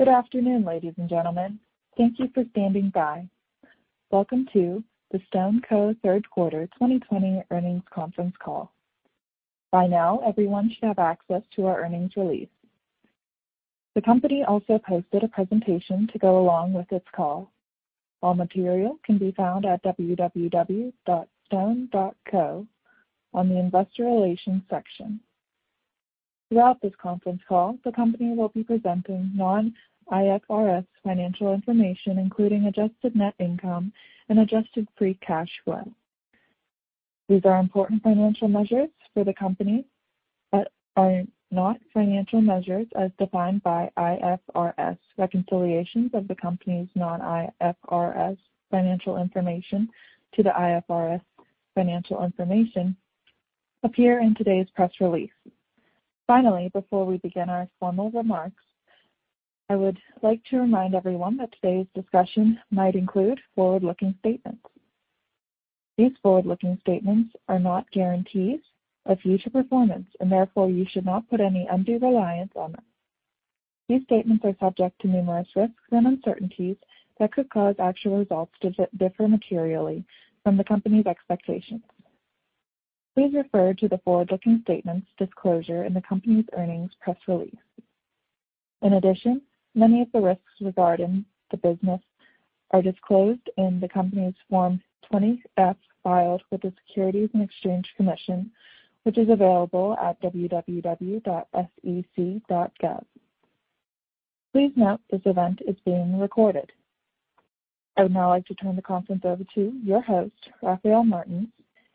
Good afternoon, ladies and gentlemen. Thank you for standing by. Welcome to the StoneCo Third Quarter 2020 Earnings Conference Call. By now, everyone should have access to our earnings release. The company also posted a presentation to go along with this call. All material can be found at www.stone.co on the investor relations section. Throughout this conference call, the company will be presenting non-IFRS financial information, including adjusted net income and adjusted free cash flow. These are important financial measures for the company but are not financial measures as defined by IFRS. Reconciliations of the company's non-IFRS financial information to the IFRS financial information appear in today's press release. Finally, before we begin our formal remarks, I would like to remind everyone that today's discussion might include forward-looking statements. These forward-looking statements are not guarantees of future performance, and therefore, you should not put any undue reliance on them. These statements are subject to numerous risks and uncertainties that could cause actual results to differ materially from the company's expectations. Please refer to the forward-looking statements disclosure in the company's earnings press release. Many of the risks regarding the business are disclosed in the company's Form 20-F filed with the Securities and Exchange Commission, which is available at www.sec.gov. Please note this event is being recorded. I would now like to turn the conference over to your host, Rafael Martins,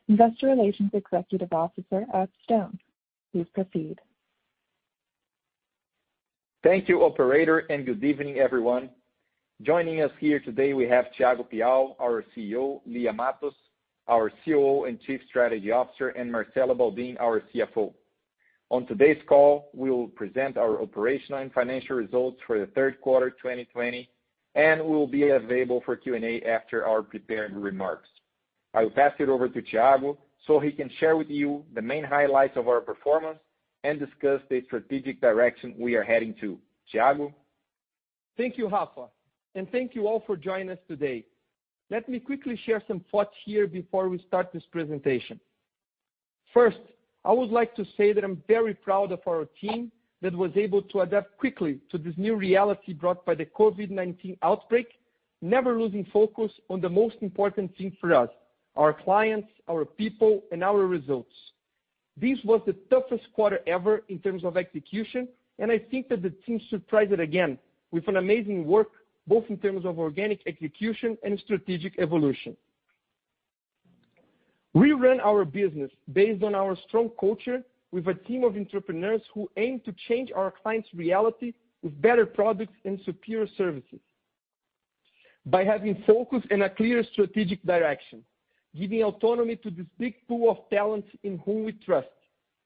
Investor Relations Executive Officer at Stone. Please proceed. Thank you, operator. Good evening, everyone. Joining us here today, we have Thiago Piau, our CEO, Lia Matos, our COO and Chief Strategy Officer, and Marcelo Baldin, our CFO. On today's call, we will present our operational and financial results for the third quarter 2020, and we will be available for Q&A after our prepared remarks. I will pass it over to Thiago so he can share with you the main highlights of our performance and discuss the strategic direction we are heading to. Thiago? Thank you, Rafa, and thank you all for joining us today. Let me quickly share some thoughts here before we start this presentation. First, I would like to say that I'm very proud of our team that was able to adapt quickly to this new reality brought by the COVID-19 outbreak, never losing focus on the most important thing for us, our clients, our people, and our results. This was the toughest quarter ever in terms of execution, and I think that the team surprised it again with an amazing work, both in terms of organic execution and strategic evolution. We run our business based on our strong culture with a team of entrepreneurs who aim to change our clients' reality with better products and superior services. By having focus and a clear strategic direction, giving autonomy to this big pool of talents in whom we trust,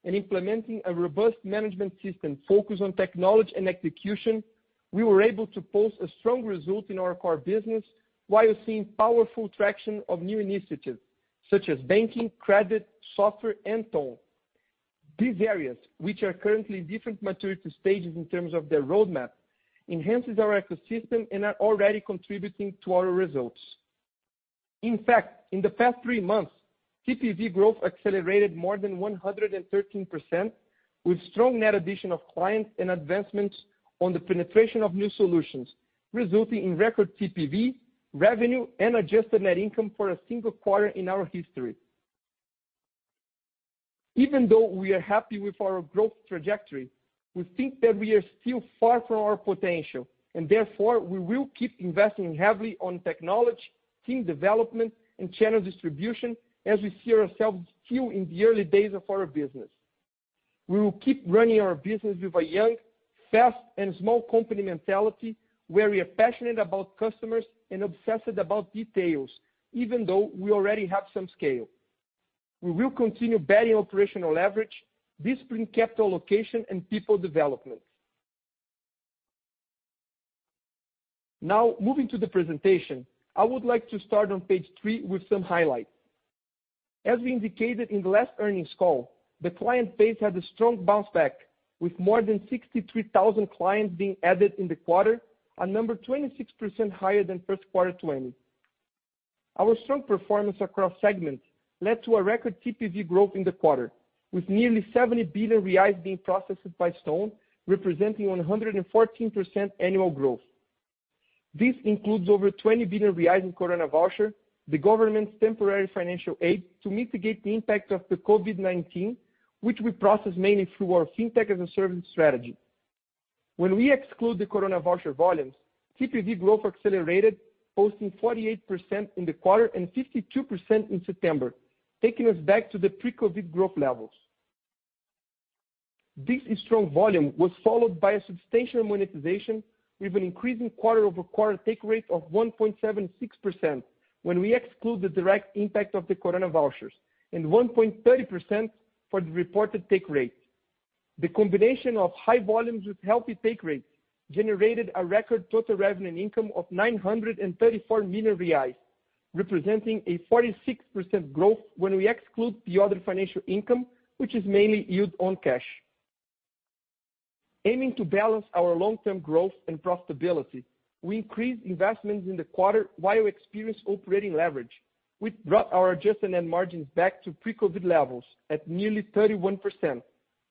and implementing a robust management system focused on technology and execution, we were able to post a strong result in our core business while seeing powerful traction of new initiatives, such as banking, credit, software, and Ton. These areas, which are currently different maturity stages in terms of their roadmap, enhances our ecosystem and are already contributing to our results. In fact, in the past three months, TPV growth accelerated more than 113%, with strong net addition of clients and advancements on the penetration of new solutions, resulting in record TPV, revenue, and adjusted net income for a single quarter in our history. Even though we are happy with our growth trajectory, we think that we are still far from our potential, and therefore, we will keep investing heavily on technology, team development, and channel distribution as we see ourselves still in the early days of our business. We will keep running our business with a young, fast, and small company mentality where we are passionate about customers and obsessed about details, even though we already have some scale. We will continue betting operational leverage, discipline capital allocation, and people development. Now, moving to the presentation, I would like to start on page three with some highlights. As we indicated in the last earnings call, the client base had a strong bounce back, with more than 63,000 clients being added in the quarter, a number 26% higher than first quarter 2020. Our strong performance across segments led to a record TPV growth in the quarter, with nearly 70 billion reais being processed by Stone, representing 114% annual growth. This includes over 20 billion reais in Coronavoucher, the government's temporary financial aid to mitigate the impact of the COVID-19, which we processed mainly through our Fintech-as-a-Service strategy. When we exclude the Coronavoucher volumes, TPV growth accelerated, posting 48% in the quarter and 52% in September, taking us back to the pre-COVID growth levels. This strong volume was followed by a substantial monetization with an increasing quarter-over-quarter take rate of 1.76% when we exclude the direct impact of the Coronavouchers, and 1.3% for the reported take rate. The combination of high volumes with healthy take rates generated a record total revenue and income of 934 million reais. Representing a 46% growth when we exclude the other financial income, which is mainly yield on cash. Aiming to balance our long-term growth and profitability, we increased investments in the quarter while we experienced operating leverage, which brought our adjusted net margins back to pre-COVID levels at nearly 31%,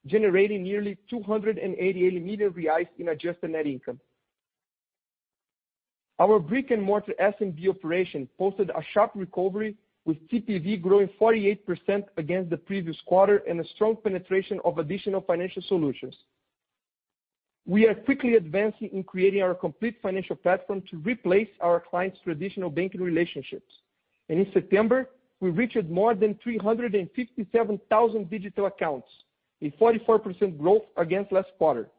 generating nearly 288 million reais in adjusted net income. Our brick-and-mortar SMB operation posted a sharp recovery, with TPV growing 48% against the previous quarter and a strong penetration of additional financial solutions. In September, we reached more than 357,000 digital accounts, a 44% growth against last quarter.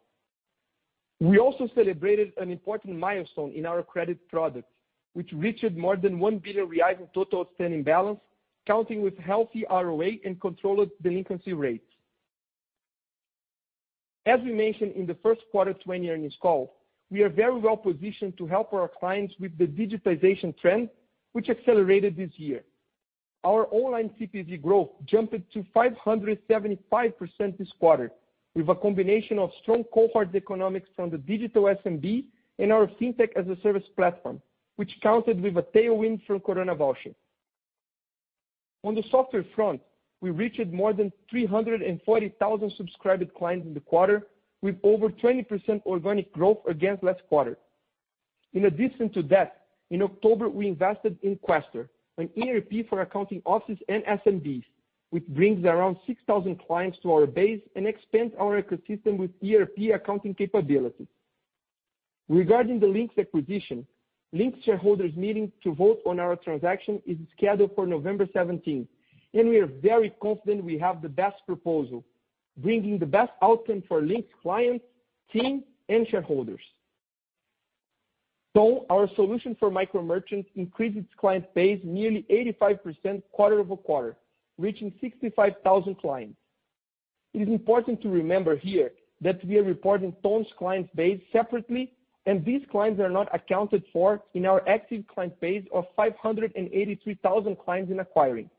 We also celebrated an important milestone in our credit product, which reached more than 1 billion reais in total outstanding balance, counting with healthy ROA and controlled delinquency rates. As we mentioned in the first quarter 2020 earnings call, we are very well positioned to help our clients with the digitization trend, which accelerated this year. Our online TPV growth jumped to 575% this quarter, with a combination of strong cohort economics from the digital SMB and our Fintech-as-a-Service platform, which counted with a tailwind from Coronavoucher. On the software front, we reached more than 340,000 subscribed clients in the quarter, with over 20% organic growth against last quarter. In addition to that, in October, we invested in Questor, an ERP for accounting offices and SMBs, which brings around 6,000 clients to our base and expands our ecosystem with ERP accounting capabilities. Regarding the Linx acquisition, Linx shareholders meeting to vote on our transaction is scheduled for November 17th, and we are very confident we have the best proposal, bringing the best outcome for Linx clients, team, and shareholders. Ton, our solution for micro merchants, increased its client base nearly 85% quarter-over-quarter, reaching 65,000 clients. It is important to remember here that we are reporting Ton's client base separately, and these clients are not accounted for in our active client base of 583,000 clients in acquiring.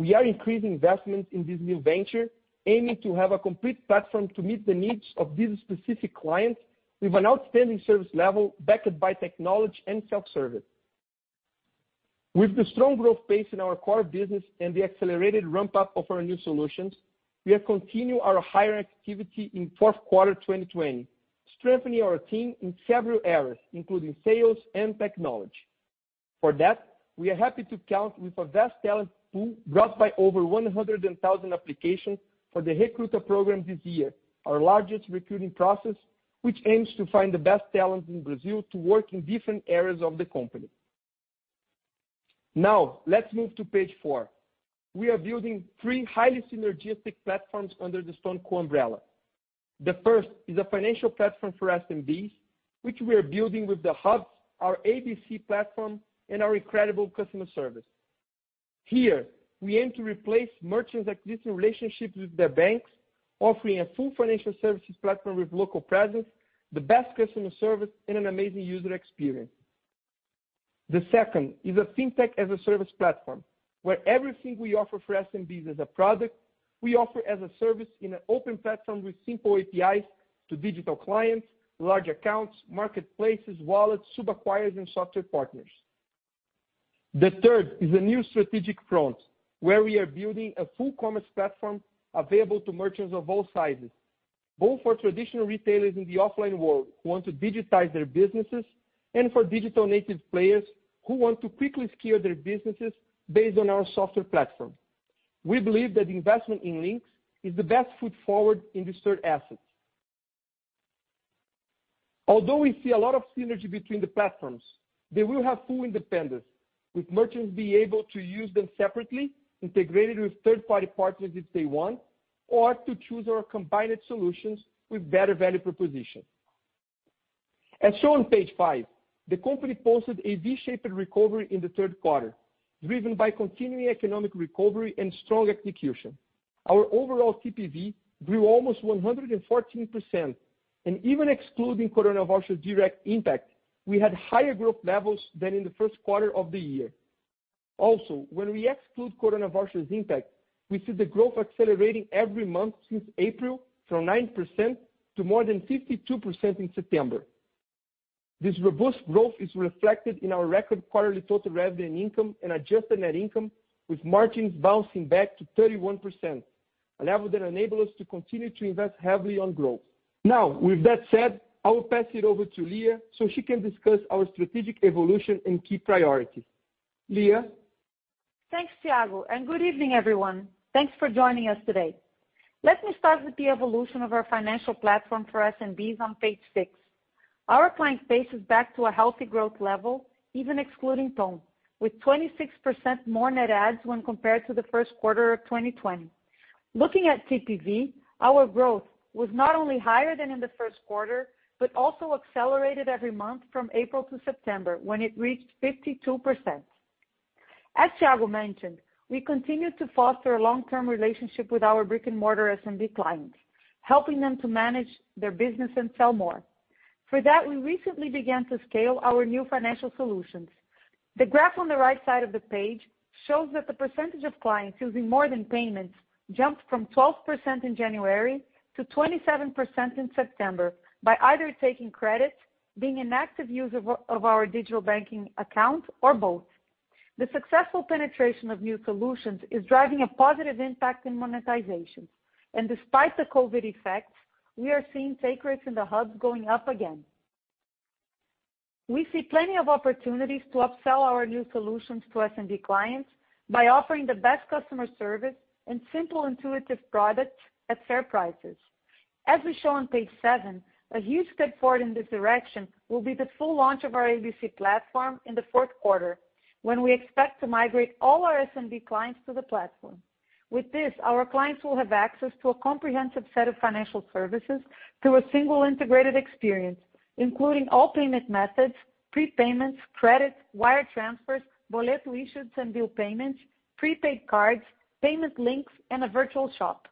We are increasing investments in this new venture, aiming to have a complete platform to meet the needs of these specific clients with an outstanding service level backed by technology and self-service. With the strong growth pace in our core business and the accelerated ramp-up of our new solutions, we are continuing our hiring activity in fourth quarter 2020, strengthening our team in several areas, including sales and technology. For that, we are happy to count with a vast talent pool brought by over 100,000 applications for the Recruta program this year, our largest recruiting process, which aims to find the best talent in Brazil to work in different areas of the company. Now, let's move to page four. We are building three highly synergistic platforms under the StoneCo umbrella. The first is a financial platform for SMBs, which we are building with the hubs, our ABC platform, and our incredible customer service. Here, we aim to replace merchants' existing relationships with their banks, offering a full financial services platform with local presence, the best customer service, and an amazing user experience. The second is a Fintech-as-a-Service platform, where everything we offer for SMBs as a product, we offer as a service in an open platform with simple APIs to digital clients, large accounts, marketplaces, wallets, sub-acquirers, and software partners. The third is a new strategic front, where we are building a full commerce platform available to merchants of all sizes, both for traditional retailers in the offline world who want to digitize their businesses, and for digital native players who want to quickly scale their businesses based on our software platform. We believe that investment in Linx is the best foot forward in this third asset. Although we see a lot of synergy between the platforms, they will have full independence, with merchants being able to use them separately, integrated with third-party partners if they want, or to choose our combined solutions with better value proposition. As shown on page five, the company posted a V-shaped recovery in the third quarter, driven by continuing economic recovery and strong execution. Our overall TPV grew almost 114%, and even excluding Coronavoucher direct impact, we had higher growth levels than in the first quarter of the year. Also, when we exclude Coronavoucher's impact, we see the growth accelerating every month since April, from 9% to more than 52% in September. This robust growth is reflected in our record quarterly total revenue income and adjusted net income, with margins bouncing back to 31%, a level that enable us to continue to invest heavily on growth. Now, with that said, I will pass it over to Lia so she can discuss our strategic evolution and key priorities. Lia? Thanks, Thiago. Good evening, everyone. Thanks for joining us today. Let me start with the evolution of our financial platform for SMBs on page six. Our client base is back to a healthy growth level, even excluding Stone, with 26% more net adds when compared to the first quarter of 2020. Looking at TPV, our growth was not only higher than in the first quarter, but also accelerated every month from April to September, when it reached 52%. As Thiago mentioned, we continue to foster a long-term relationship with our brick-and-mortar SMB clients, helping them to manage their business and sell more. For that, we recently began to scale our new financial solutions. The graph on the right side of the page shows that the percentage of clients using more than payments jumped from 12% in January to 27% in September by either taking credit, being an active user of our digital banking account, or both. The successful penetration of new solutions is driving a positive impact in monetization. Despite the COVID-19 effects, we are seeing take rates in the hubs going up again. We see plenty of opportunities to upsell our new solutions to SMB clients by offering the best customer service and simple intuitive products at fair prices. As we show on page seven, a huge step forward in this direction will be the full launch of our ABC platform in the fourth quarter, when we expect to migrate all our SMB clients to the platform. With this, our clients will have access to a comprehensive set of financial services through a single integrated experience, including all payment methods, prepayments, credits, wire transfers, boleto issuance and bill payments, prepaid cards, payment links, and a virtual shop.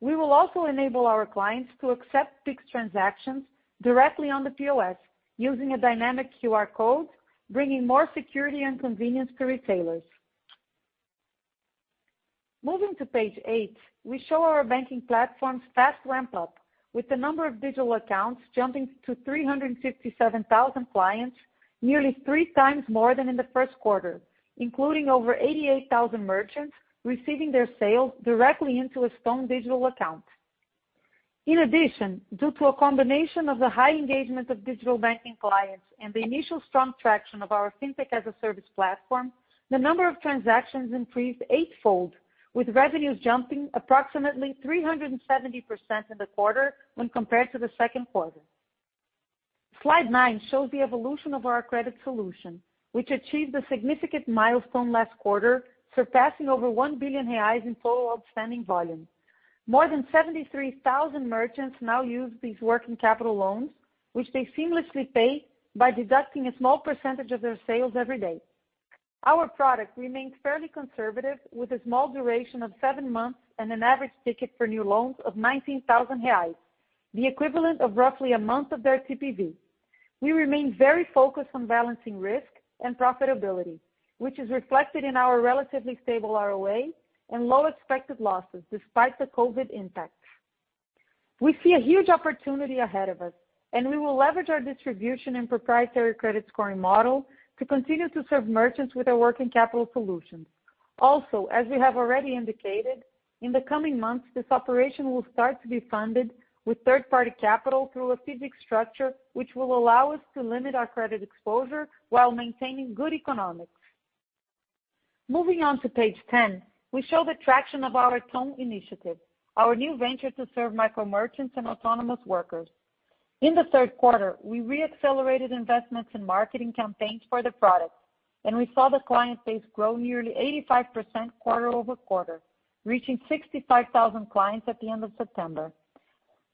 We will also enable our clients to accept Pix transactions directly on the POS using a dynamic QR code, bringing more security and convenience to retailers. Moving to page eight, we show our banking platform's fast ramp-up, with the number of digital accounts jumping to 367,000 clients, nearly three times more than in the first quarter, including over 88,000 merchants receiving their sales directly into a Stone digital account. In addition, due to a combination of the high engagement of digital banking clients and the initial strong traction of our Fintech-as-a-Service platform, the number of transactions increased eightfold, with revenues jumping approximately 370% in the quarter when compared to the second quarter. Slide nine shows the evolution of our credit solution, which achieved a significant milestone last quarter, surpassing over 1 billion reais in total outstanding volume. More than 73,000 merchants now use these working capital loans, which they seamlessly pay by deducting a small percentage of their sales every day. Our product remains fairly conservative, with a small duration of seven months and an average ticket for new loans of 19,000 reais, the equivalent of roughly a month of their TPV. We remain very focused on balancing risk and profitability, which is reflected in our relatively stable ROA and low expected losses despite the COVID-19 impacts. We see a huge opportunity ahead of us. We will leverage our distribution and proprietary credit scoring model to continue to serve merchants with our working capital solutions. As we have already indicated, in the coming months, this operation will start to be funded with third-party capital through a FIDC structure, which will allow us to limit our credit exposure while maintaining good economics. Moving on to page 10, we show the traction of our Ton, our new venture to serve micro merchants and autonomous workers. In the third quarter, we re-accelerated investments in marketing campaigns for the product, and we saw the client base grow nearly 85% quarter-over-quarter, reaching 65,000 clients at the end of September.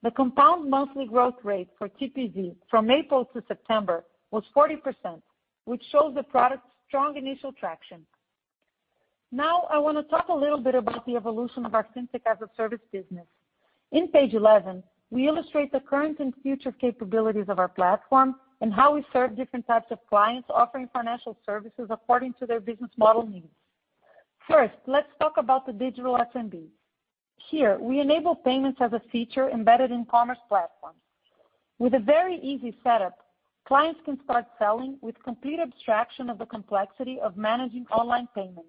The compound monthly growth rate for TPV from April to September was 40%, which shows the product's strong initial traction. Now, I want to talk a little bit about the evolution of our Fintech-as-a-Service business. In page 11, we illustrate the current and future capabilities of our platform and how we serve different types of clients offering financial services according to their business model needs. First, let's talk about the digital SMBs. Here, we enable payments as a feature embedded in commerce platforms. With a very easy setup, clients can start selling with complete abstraction of the complexity of managing online payments.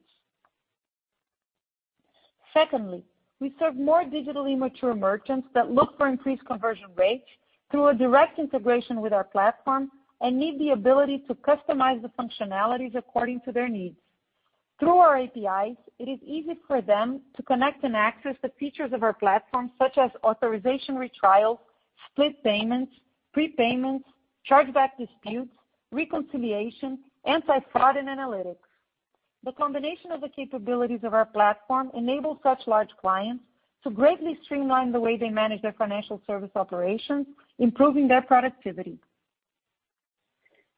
Secondly, we serve more digitally mature merchants that look for increased conversion rates through a direct integration with our platform and need the ability to customize the functionalities according to their needs. Through our APIs, it is easy for them to connect and access the features of our platform, such as authorization retrials, split payments, prepayments, chargeback disputes, reconciliation, and anti-fraud and analytics. The combination of the capabilities of our platform enable such large clients to greatly streamline the way they manage their financial service operations, improving their productivity.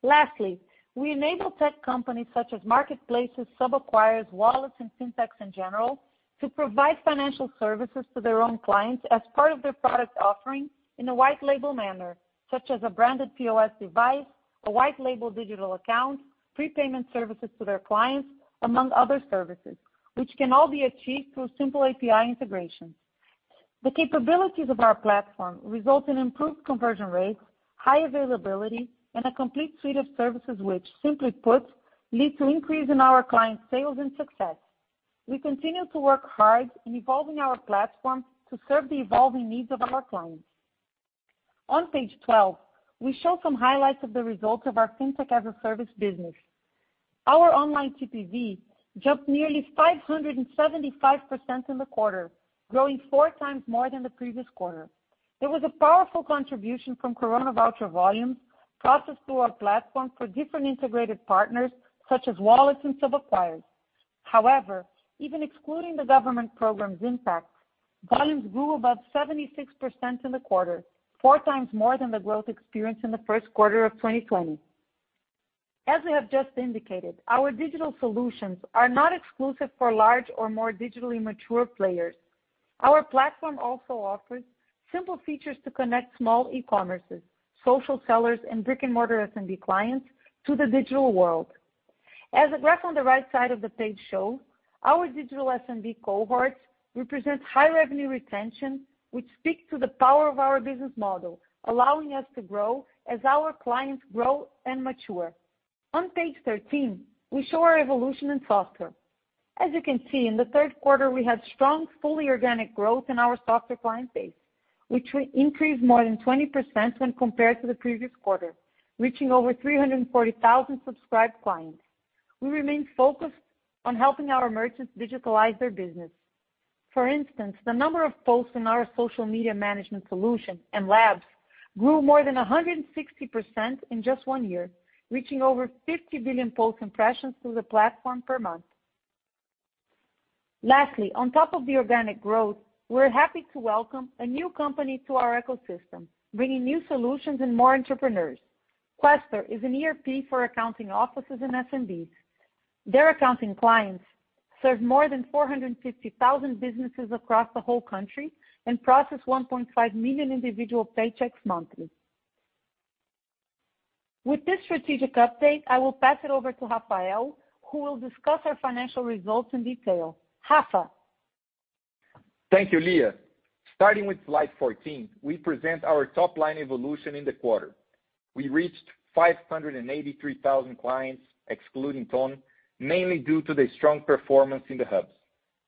Lastly, we enable tech companies such as marketplaces, sub-acquirers, wallets, and fintechs in general to provide financial services to their own clients as part of their product offering in a white label manner, such as a branded POS device, a white label digital account, prepayment services to their clients, among other services, which can all be achieved through simple API integrations. The capabilities of our platform result in improved conversion rates, high availability, and a complete suite of services which, simply put, lead to increase in our clients' sales and success. We continue to work hard in evolving our platform to serve the evolving needs of our clients. On page 12, we show some highlights of the results of our Fintech-as-a-Service business. Our online TPV jumped nearly 575% in the quarter, growing four times more than the previous quarter. There was a powerful contribution from Coronavoucher volumes processed through our platform for different integrated partners such as wallets and sub-acquirers. However, even excluding the government program's impact, volumes grew above 76% in the quarter, four times more than the growth experienced in the first quarter of 2020. As we have just indicated, our digital solutions are not exclusive for large or more digitally mature players. Our platform also offers simple features to connect small e-commerces, social sellers, and brick and mortar SMB clients to the digital world. As the graph on the right side of the page shows, our digital SMB cohort represents high revenue retention, which speaks to the power of our business model, allowing us to grow as our clients grow and mature. On page 13, we show our evolution in software. As you can see, in the third quarter, we have strong, fully organic growth in our software client base, which increased more than 20% when compared to the previous quarter, reaching over 340,000 subscribed clients. We remain focused on helping our merchants digitalize their business. For instance, the number of posts in our social media management solution and labs grew more than 160% in just one year, reaching over 50 billion post impressions through the platform per month. Lastly, on top of the organic growth, we're happy to welcome a new company to our ecosystem, bringing new solutions and more entrepreneurs. Questor is an ERP for accounting offices and SMBs. Their accounting clients serve more than 450,000 businesses across the whole country and process 1.5 million individual paychecks monthly. With this strategic update, I will pass it over to Rafael, who will discuss our financial results in detail. Rafa. Thank you, Lia. Starting with slide 14, we present our top-line evolution in the quarter. We reached 583,000 clients, excluding Ton, mainly due to the strong performance in the hubs.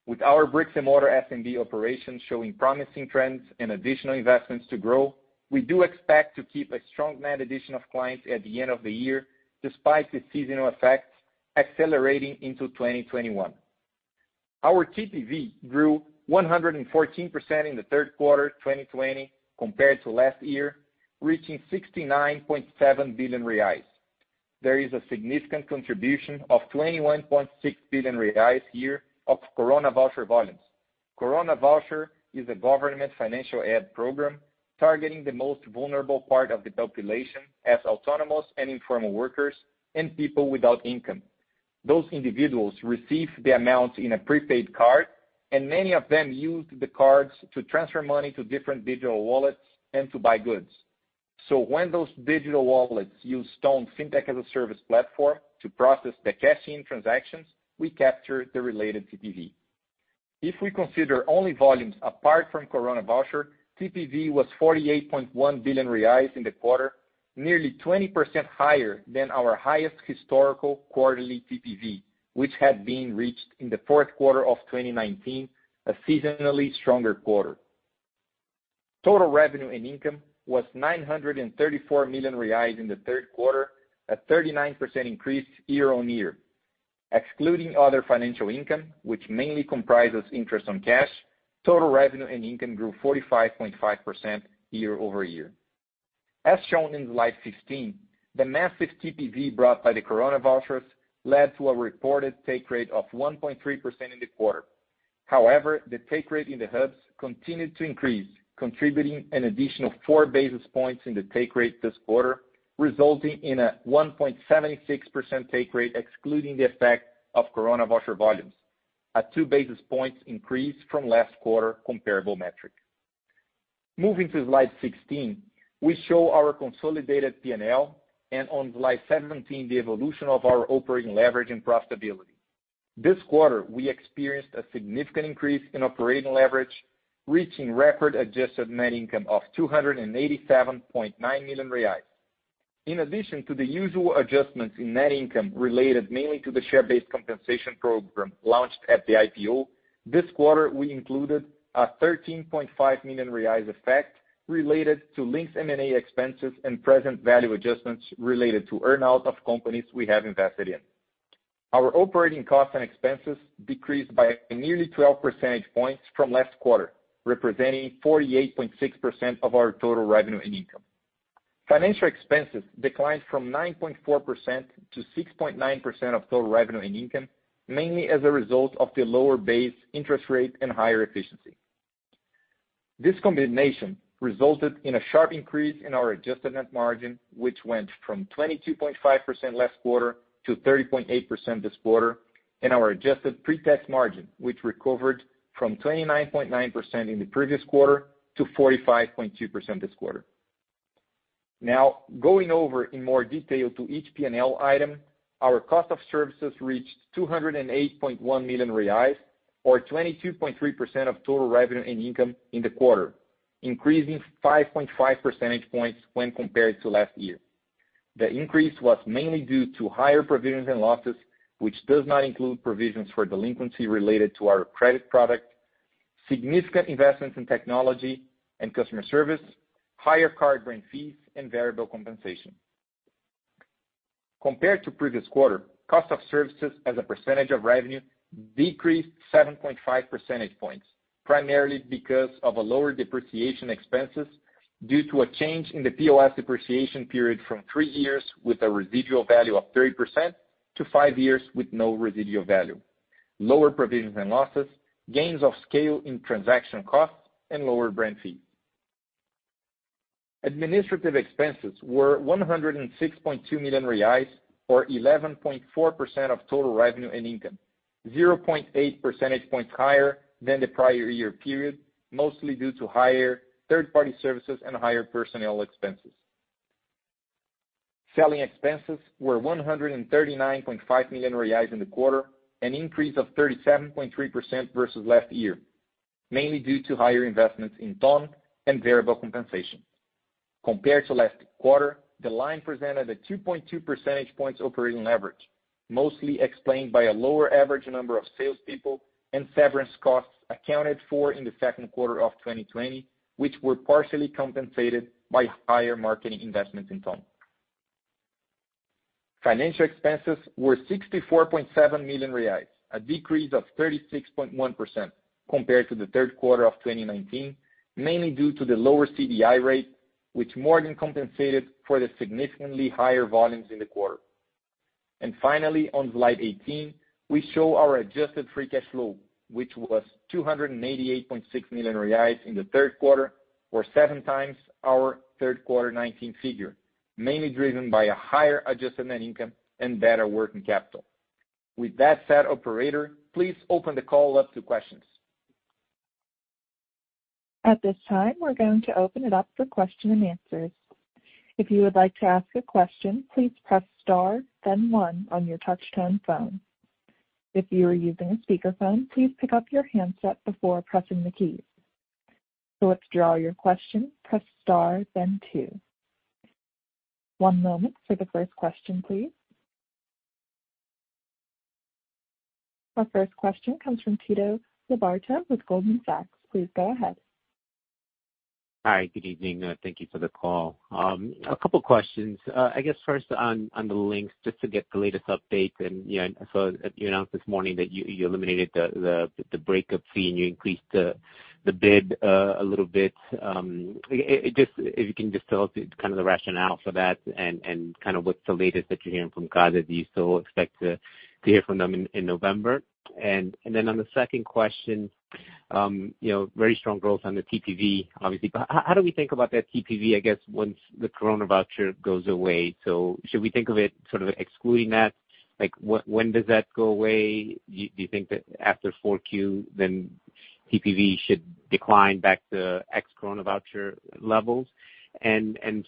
With our bricks and mortar SMB operations showing promising trends and additional investments to grow, we do expect to keep a strong net addition of clients at the end of the year, despite the seasonal effects accelerating into 2021. Our TPV grew 114% in the third quarter 2020 compared to last year, reaching 69.7 billion reais. There is a significant contribution of 21.6 billion reais here of Coronavoucher volumes. Coronavoucher is a government financial aid program targeting the most vulnerable part of the population as autonomous and informal workers and people without income. Those individuals receive the amount in a prepaid card, and many of them use the cards to transfer money to different digital wallets and to buy goods. When those digital wallets use Stone Fintech-as-a-Service platform to process the cash-in transactions, we capture the related TPV. If we consider only volumes apart from Coronavoucher, TPV was 48.1 billion reais in the quarter, nearly 20% higher than our highest historical quarterly TPV, which had been reached in the fourth quarter of 2019, a seasonally stronger quarter. Total revenue and income was 934 million reais in the third quarter, a 39% increase year on year. Excluding other financial income, which mainly comprises interest on cash, total revenue and income grew 45.5% year over year. As shown in slide 15, the massive TPV brought by the Coronavouchers led to a reported take rate of 1.3% in the quarter. The take rate in the hubs continued to increase, contributing an additional four basis points in the take rate this quarter, resulting in a 1.76% take rate excluding the effect of Coronavoucher volumes, a two basis points increase from last quarter comparable metric. Moving to slide 16, we show our consolidated P&L, and on slide 17, the evolution of our operating leverage and profitability. This quarter, we experienced a significant increase in operating leverage, reaching record adjusted net income of 287.9 million reais. In addition to the usual adjustments in net income related mainly to the share-based compensation program launched at the IPO, this quarter, we included a 13.5 million effect related to Linx's M&A expenses and present value adjustments related to earn-out of companies we have invested in. Our operating costs and expenses decreased by nearly 12 percentage points from last quarter, representing 48.6% of our total revenue and income. Financial expenses declined from 9.4% to 6.9% of total revenue and income, mainly as a result of the lower base interest rate and higher efficiency. This combination resulted in a sharp increase in our adjusted net margin, which went from 22.5% last quarter to 30.8% this quarter, and our adjusted pre-tax margin, which recovered from 29.9% in the previous quarter to 45.2% this quarter. Going over in more detail to each P&L item, our cost of services reached 208.1 million reais, or 22.3% of total revenue and income in the quarter, increasing 5.5 percentage points when compared to last year. The increase was mainly due to higher provisions and losses, which does not include provisions for delinquency related to our credit product, significant investments in technology and customer service, higher card brand fees, and variable compensation. Compared to previous quarter, cost of services as a percentage of revenue decreased 7.5 percentage points, primarily because of a lower depreciation expenses. Due to a change in the POS depreciation period from three years with a residual value of 30% to five years with no residual value, lower provisions and losses, gains of scale in transaction costs and lower brand fees. Administrative expenses were 106.2 million reais, or 11.4% of total revenue and income, 0.8 percentage points higher than the prior year period, mostly due to higher third-party services and higher personnel expenses. Selling expenses were 139.5 million reais in the quarter, an increase of 37.3% versus last year, mainly due to higher investments in Ton and variable compensation. Compared to last quarter, the line presented a 2.2 percentage points operating leverage, mostly explained by a lower average number of salespeople and severance costs accounted for in the second quarter of 2020, which were partially compensated by higher marketing investments in Ton. Financial expenses were 64.7 million reais, a decrease of 36.1% compared to the third quarter of 2019, mainly due to the lower CDI rate, which more than compensated for the significantly higher volumes in the quarter. Finally, on slide 18, we show our adjusted free cash flow, which was 288.6 million reais in the third quarter, or seven times our third quarter 2019 figure, mainly driven by a higher adjusted net income and better working capital. With that said, operator, please open the call up to questions. At this time, we're going to open it up for question and answers. One moment for the first question, please. Our first question comes from Tito Labarta with Goldman Sachs. Please go ahead. Hi. Good evening. Thank you for the call. A couple questions. First on the Linx, just to get the latest update. You announced this morning that you eliminated the breakup fee, and you increased the bid a little bit. If you can just tell us the rationale for that and what's the latest that you're hearing from CADE. Do you still expect to hear from them in November? On the second question, very strong growth on the TPV, obviously, but how do we think about that TPV once the Coronavoucher goes away? Should we think of it sort of excluding that? When does that go away? Do you think that after 4Q, TPV should decline back to ex-Coronavoucher levels?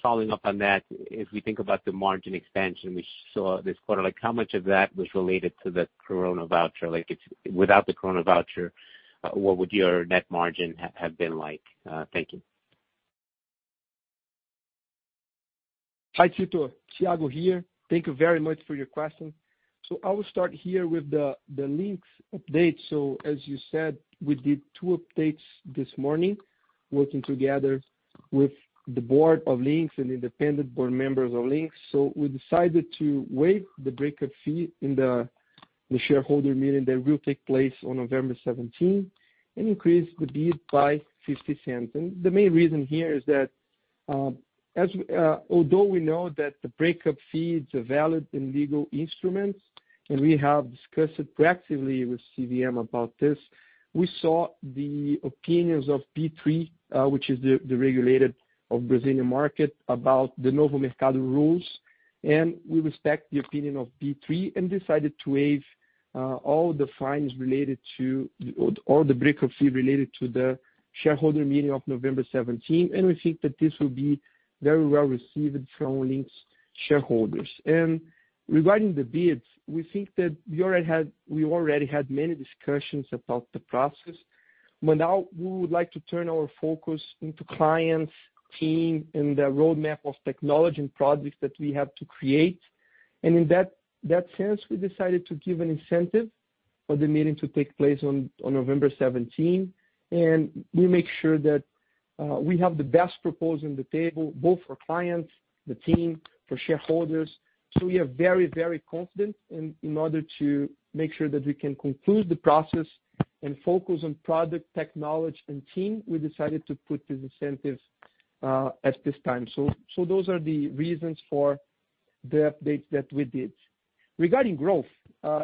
Following up on that, if we think about the margin expansion we saw this quarter, like how much of that was related to the Coronavoucher? Like, without the Coronavoucher, what would your net margin have been like? Thank you. Hi, Tito. Thiago here. Thank you very much for your question. I will start here with the Linx update. As you said, we did two updates this morning, working together with the board of Linx and independent board members of Linx. We decided to waive the breakup fee in the shareholder meeting that will take place on November 17th and increase the bid by 0.50. The main reason here is that although we know that the breakup fees are valid and legal instruments, and we have discussed it proactively with CVM about this, we saw the opinions of B3, which is the regulator of Brazilian market, about the Novo Mercado rules, and we respect the opinion of B3 and decided to waive all the breakup fee related to the shareholder meeting of November 17th. We think that this will be very well received from Linx shareholders. Regarding the bids, we think that we already had many discussions about the process. Now we would like to turn our focus into clients, team, and the roadmap of technology and products that we have to create. In that sense, we decided to give an incentive for the meeting to take place on November 17, and we make sure that we have the best proposal on the table, both for clients, the team, for shareholders. We are very confident in order to make sure that we can conclude the process and focus on product technology and team, we decided to put this incentive at this time. Those are the reasons for the updates that we did. Regarding growth,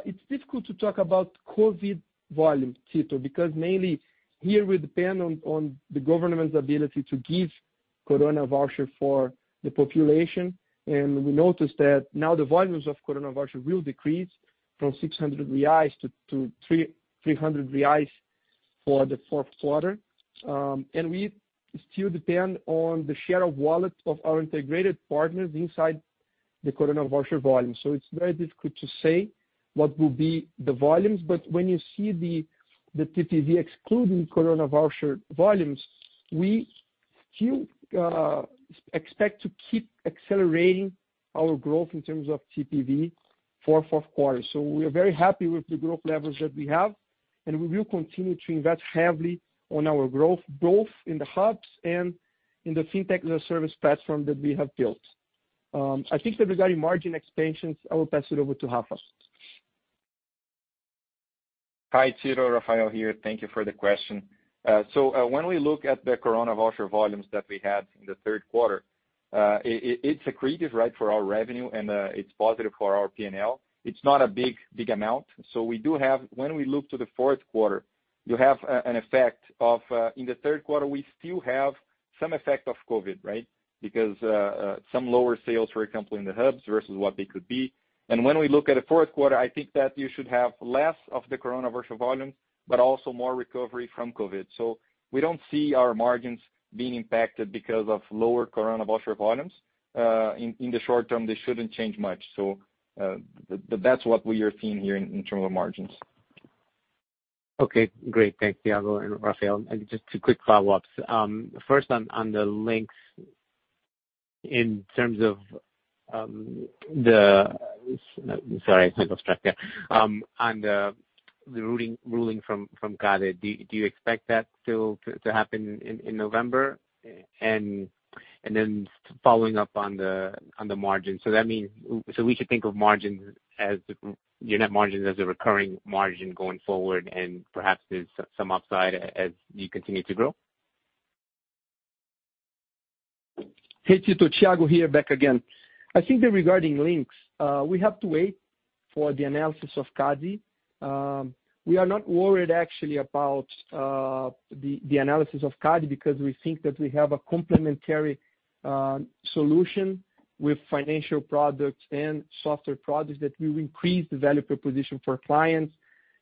it's difficult to talk about COVID volume, Tito, because mainly here we depend on the government's ability to give Coronavoucher for the population, and we noticed that now the volumes of Coronavoucher will decrease from 600 reais to 300 reais for the fourth quarter. We still depend on the share of wallet of our integrated partners inside the Coronavoucher volume. It's very difficult to say what will be the volumes, but when you see the TPV excluding Coronavoucher volumes, we still expect to keep accelerating our growth in terms of TPV for fourth quarter. We are very happy with the growth levels that we have, and we will continue to invest heavily on our growth, both in the hubs and in the Fintech-as-a-Service platform that we have built. I think that regarding margin expansions, I will pass it over to Rafa. Hi, Tito. Rafael here. Thank you for the question. When we look at the Coronavoucher volumes that we had in the third quarter, it's accretive for our revenue, and it's positive for our P&L. It's not a big amount. When we look to the fourth quarter, you have an effect of, in the third quarter, we still have some effect of COVID, right? Because some lower sales, for example, in the hubs versus what they could be. When we look at the fourth quarter, I think that you should have less of the Coronavoucher volume, but also more recovery from COVID. We don't see our margins being impacted because of lower Coronavoucher volumes. In the short term, they shouldn't change much. That's what we are seeing here in terms of margins. Okay, great. Thanks, Thiago and Rafael. Just two quick follow-ups. First on the Linx in terms of the ruling from CADE. Do you expect that still to happen in November? Following up on the margin. We should think of your net margins as a recurring margin going forward and perhaps there's some upside as you continue to grow? Hey, Tito. Thiago here, back again. I think that regarding Linx, we have to wait for the analysis of CADE. We are not worried actually about the analysis of CADE because we think that we have a complementary solution with financial products and software products that will increase the value proposition for clients.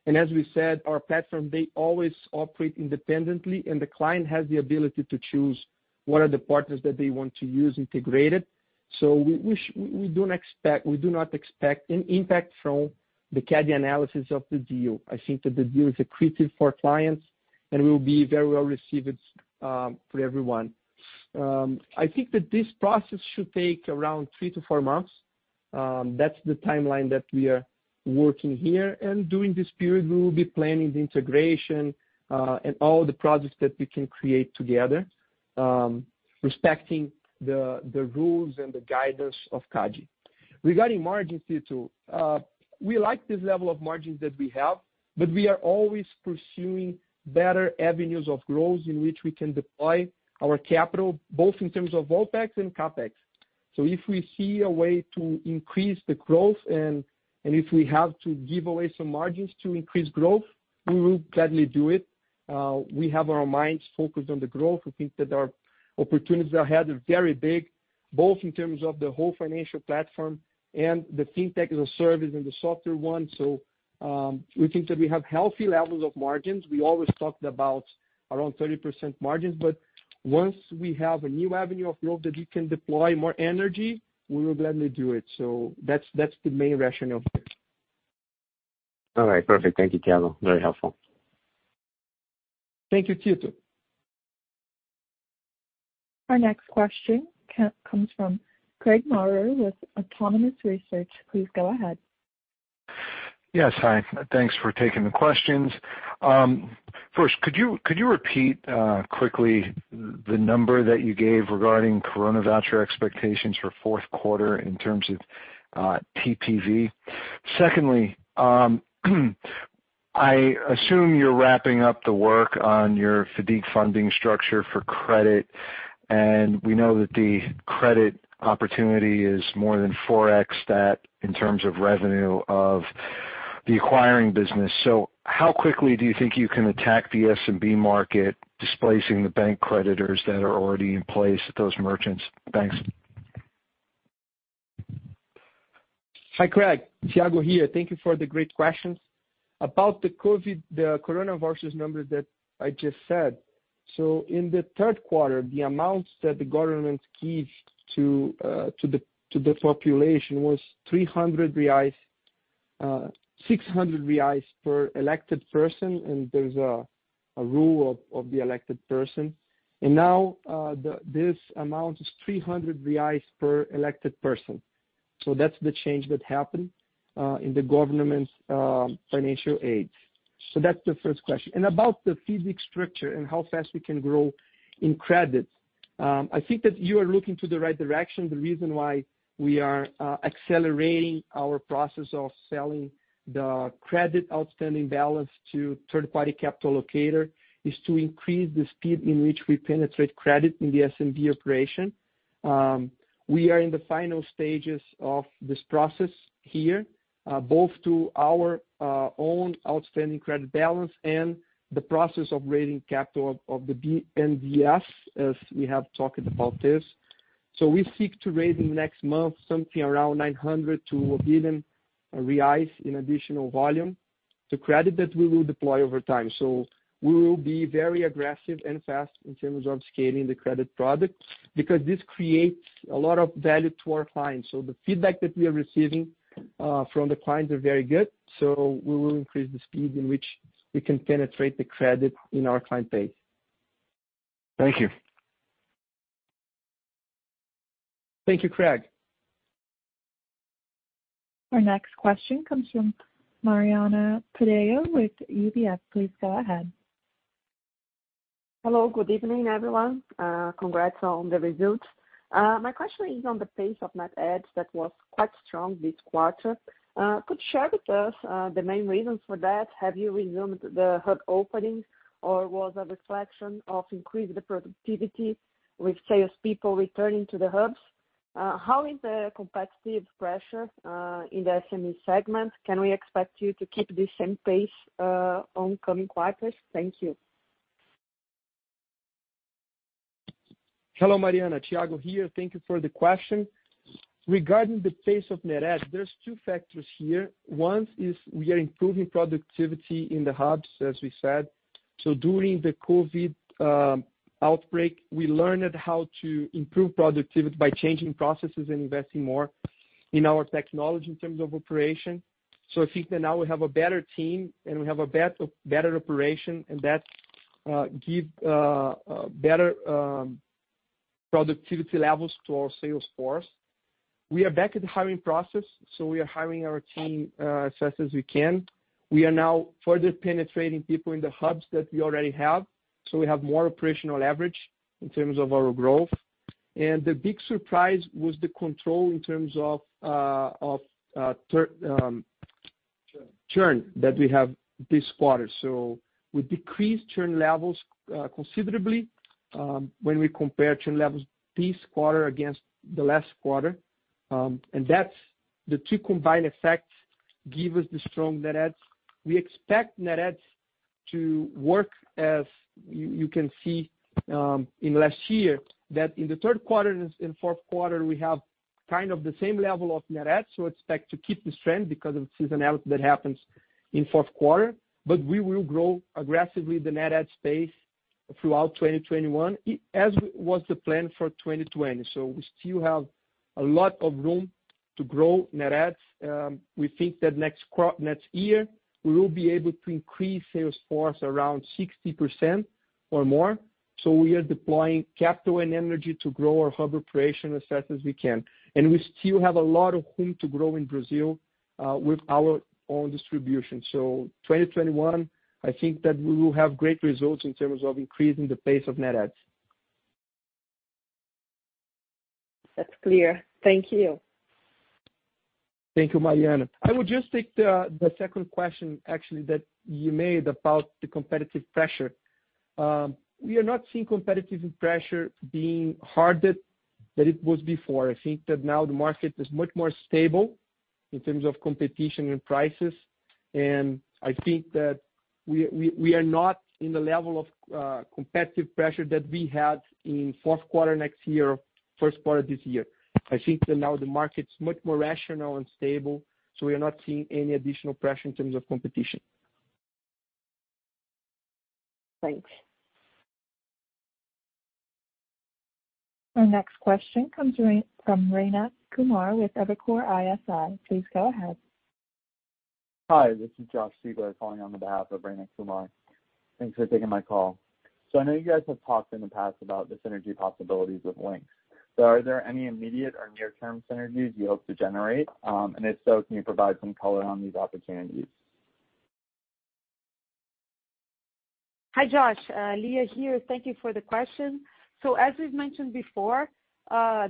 As we said, our platform, they always operate independently, and the client has the ability to choose what are the partners that they want to use integrated. We do not expect an impact from the CADE analysis of the deal. I think that the deal is accretive for clients and will be very well-received for everyone. I think that this process should take around three to four months. That's the timeline that we are working here. During this period, we will be planning the integration, and all the products that we can create together, respecting the rules and the guidance of CADE. Regarding margins, Tito, we like this level of margins that we have, but we are always pursuing better avenues of growth in which we can deploy our capital, both in terms of OpEx and CapEx. If we see a way to increase the growth, and if we have to give away some margins to increase growth, we will gladly do it. We have our minds focused on the growth. We think that our opportunities ahead are very big, both in terms of the whole financial platform and the FinTech-as-a-Service and the software one. We think that we have healthy levels of margins. We always talked about around 30% margins, but once we have a new avenue of growth that we can deploy more energy, we will gladly do it. That's the main rationale there. All right. Perfect. Thank you, Thiago. Very helpful. Thank you, Tito. Our next question comes from Craig Maurer with Autonomous Research. Please go ahead. Yes, hi. Thanks for taking the questions. Could you repeat quickly the number that you gave regarding Coronavoucher expectations for fourth quarter in terms of TPV? I assume you're wrapping up the work on your FIDC funding structure for credit, and we know that the credit opportunity is more than 4x that in terms of revenue of the acquiring business. How quickly do you think you can attack the SMB market, displacing the bank creditors that are already in place at those merchants' banks? Hi, Craig. Thiago here. Thank you for the great questions. About the Coronavoucher number that I just said. In the third quarter, the amount that the government gave to the population was 600 reais per elected person, and there's a rule of the elected person. Now, this amount is 300 reais per elected person. That's the change that happened in the government's financial aid. That's the first question. About the FIDC structure and how fast we can grow in credit. I think that you are looking to the right direction. The reason why we are accelerating our process of selling the credit outstanding balance to third-party capital locator is to increase the speed in which we penetrate credit in the SMB operation. We are in the final stages of this process here, both to our own outstanding credit balance and the process of raising capital of the BNDES, as we have talked about this. We seek to raise in the next month something around 900 million-1 billion reais in additional volume to credit that we will deploy over time. We will be very aggressive and fast in terms of scaling the credit product because this creates a lot of value to our clients. The feedback that we are receiving from the clients are very good. We will increase the speed in which we can penetrate the credit in our client base. Thank you. Thank you, Craig. Our next question comes from Mariana Taddeo with UBS. Please go ahead. Hello, good evening, everyone. Congrats on the results. My question is on the pace of net adds that was quite strong this quarter. Could you share with us the main reasons for that? Have you resumed the hub opening or was that a reflection of increased productivity with salespeople returning to the hubs? How is the competitive pressure in the SME segment? Can we expect you to keep this same pace on coming quarters? Thank you. Hello, Mariana. Thiago here. Thank you for the question. Regarding the pace of net adds, there's two factors here. One is we are improving productivity in the hubs, as we said. During the COVID outbreak, we learned how to improve productivity by changing processes and investing more in our technology in terms of operation. I think that now we have a better team, and we have a better operation, and that give better productivity levels to our sales force. We are back at the hiring process, so we are hiring our team as fast as we can. We are now further penetrating people in the hubs that we already have, so we have more operational leverage in terms of our growth. The big surprise was the control in terms of churn that we have this quarter. We decreased churn levels considerably when we compare churn levels this quarter against the last quarter. Those two combined effects give us the strong net adds. We expect net adds to work, as you can see in last year, that in the third quarter and fourth quarter, we have kind of the same level of net adds. Expect to keep this trend because of seasonality that happens in fourth quarter. We will grow aggressively the net adds space throughout 2021, as was the plan for 2020. We still have a lot of room to grow net adds. We think that next year, we will be able to increase sales force around 60% or more. We are deploying capital and energy to grow our hub operation as fast as we can. We still have a lot of room to grow in Brazil with our own distribution. 2021, I think that we will have great results in terms of increasing the pace of net adds. That's clear. Thank you. Thank you, Mariana. I would just take the second question, actually, that you made about the competitive pressure. We are not seeing competitive pressure being harder than it was before. I think that now the market is much more stable in terms of competition and prices. I think that we are not in the level of competitive pressure that we had in fourth quarter next year, first part of this year. I think that now the market's much more rational and stable, we are not seeing any additional pressure in terms of competition. Thanks. Our next question comes from Rayna Kumar with Evercore ISI. Please go ahead. Hi, this is Josh Siegler calling on the behalf of Rayna Kumar. Thanks for taking my call. I know you guys have talked in the past about the synergy possibilities with Linx. Are there any immediate or near-term synergies you hope to generate? If so, can you provide some color on these opportunities? Hi, Josh. Lia here. Thank you for the question. As we've mentioned before,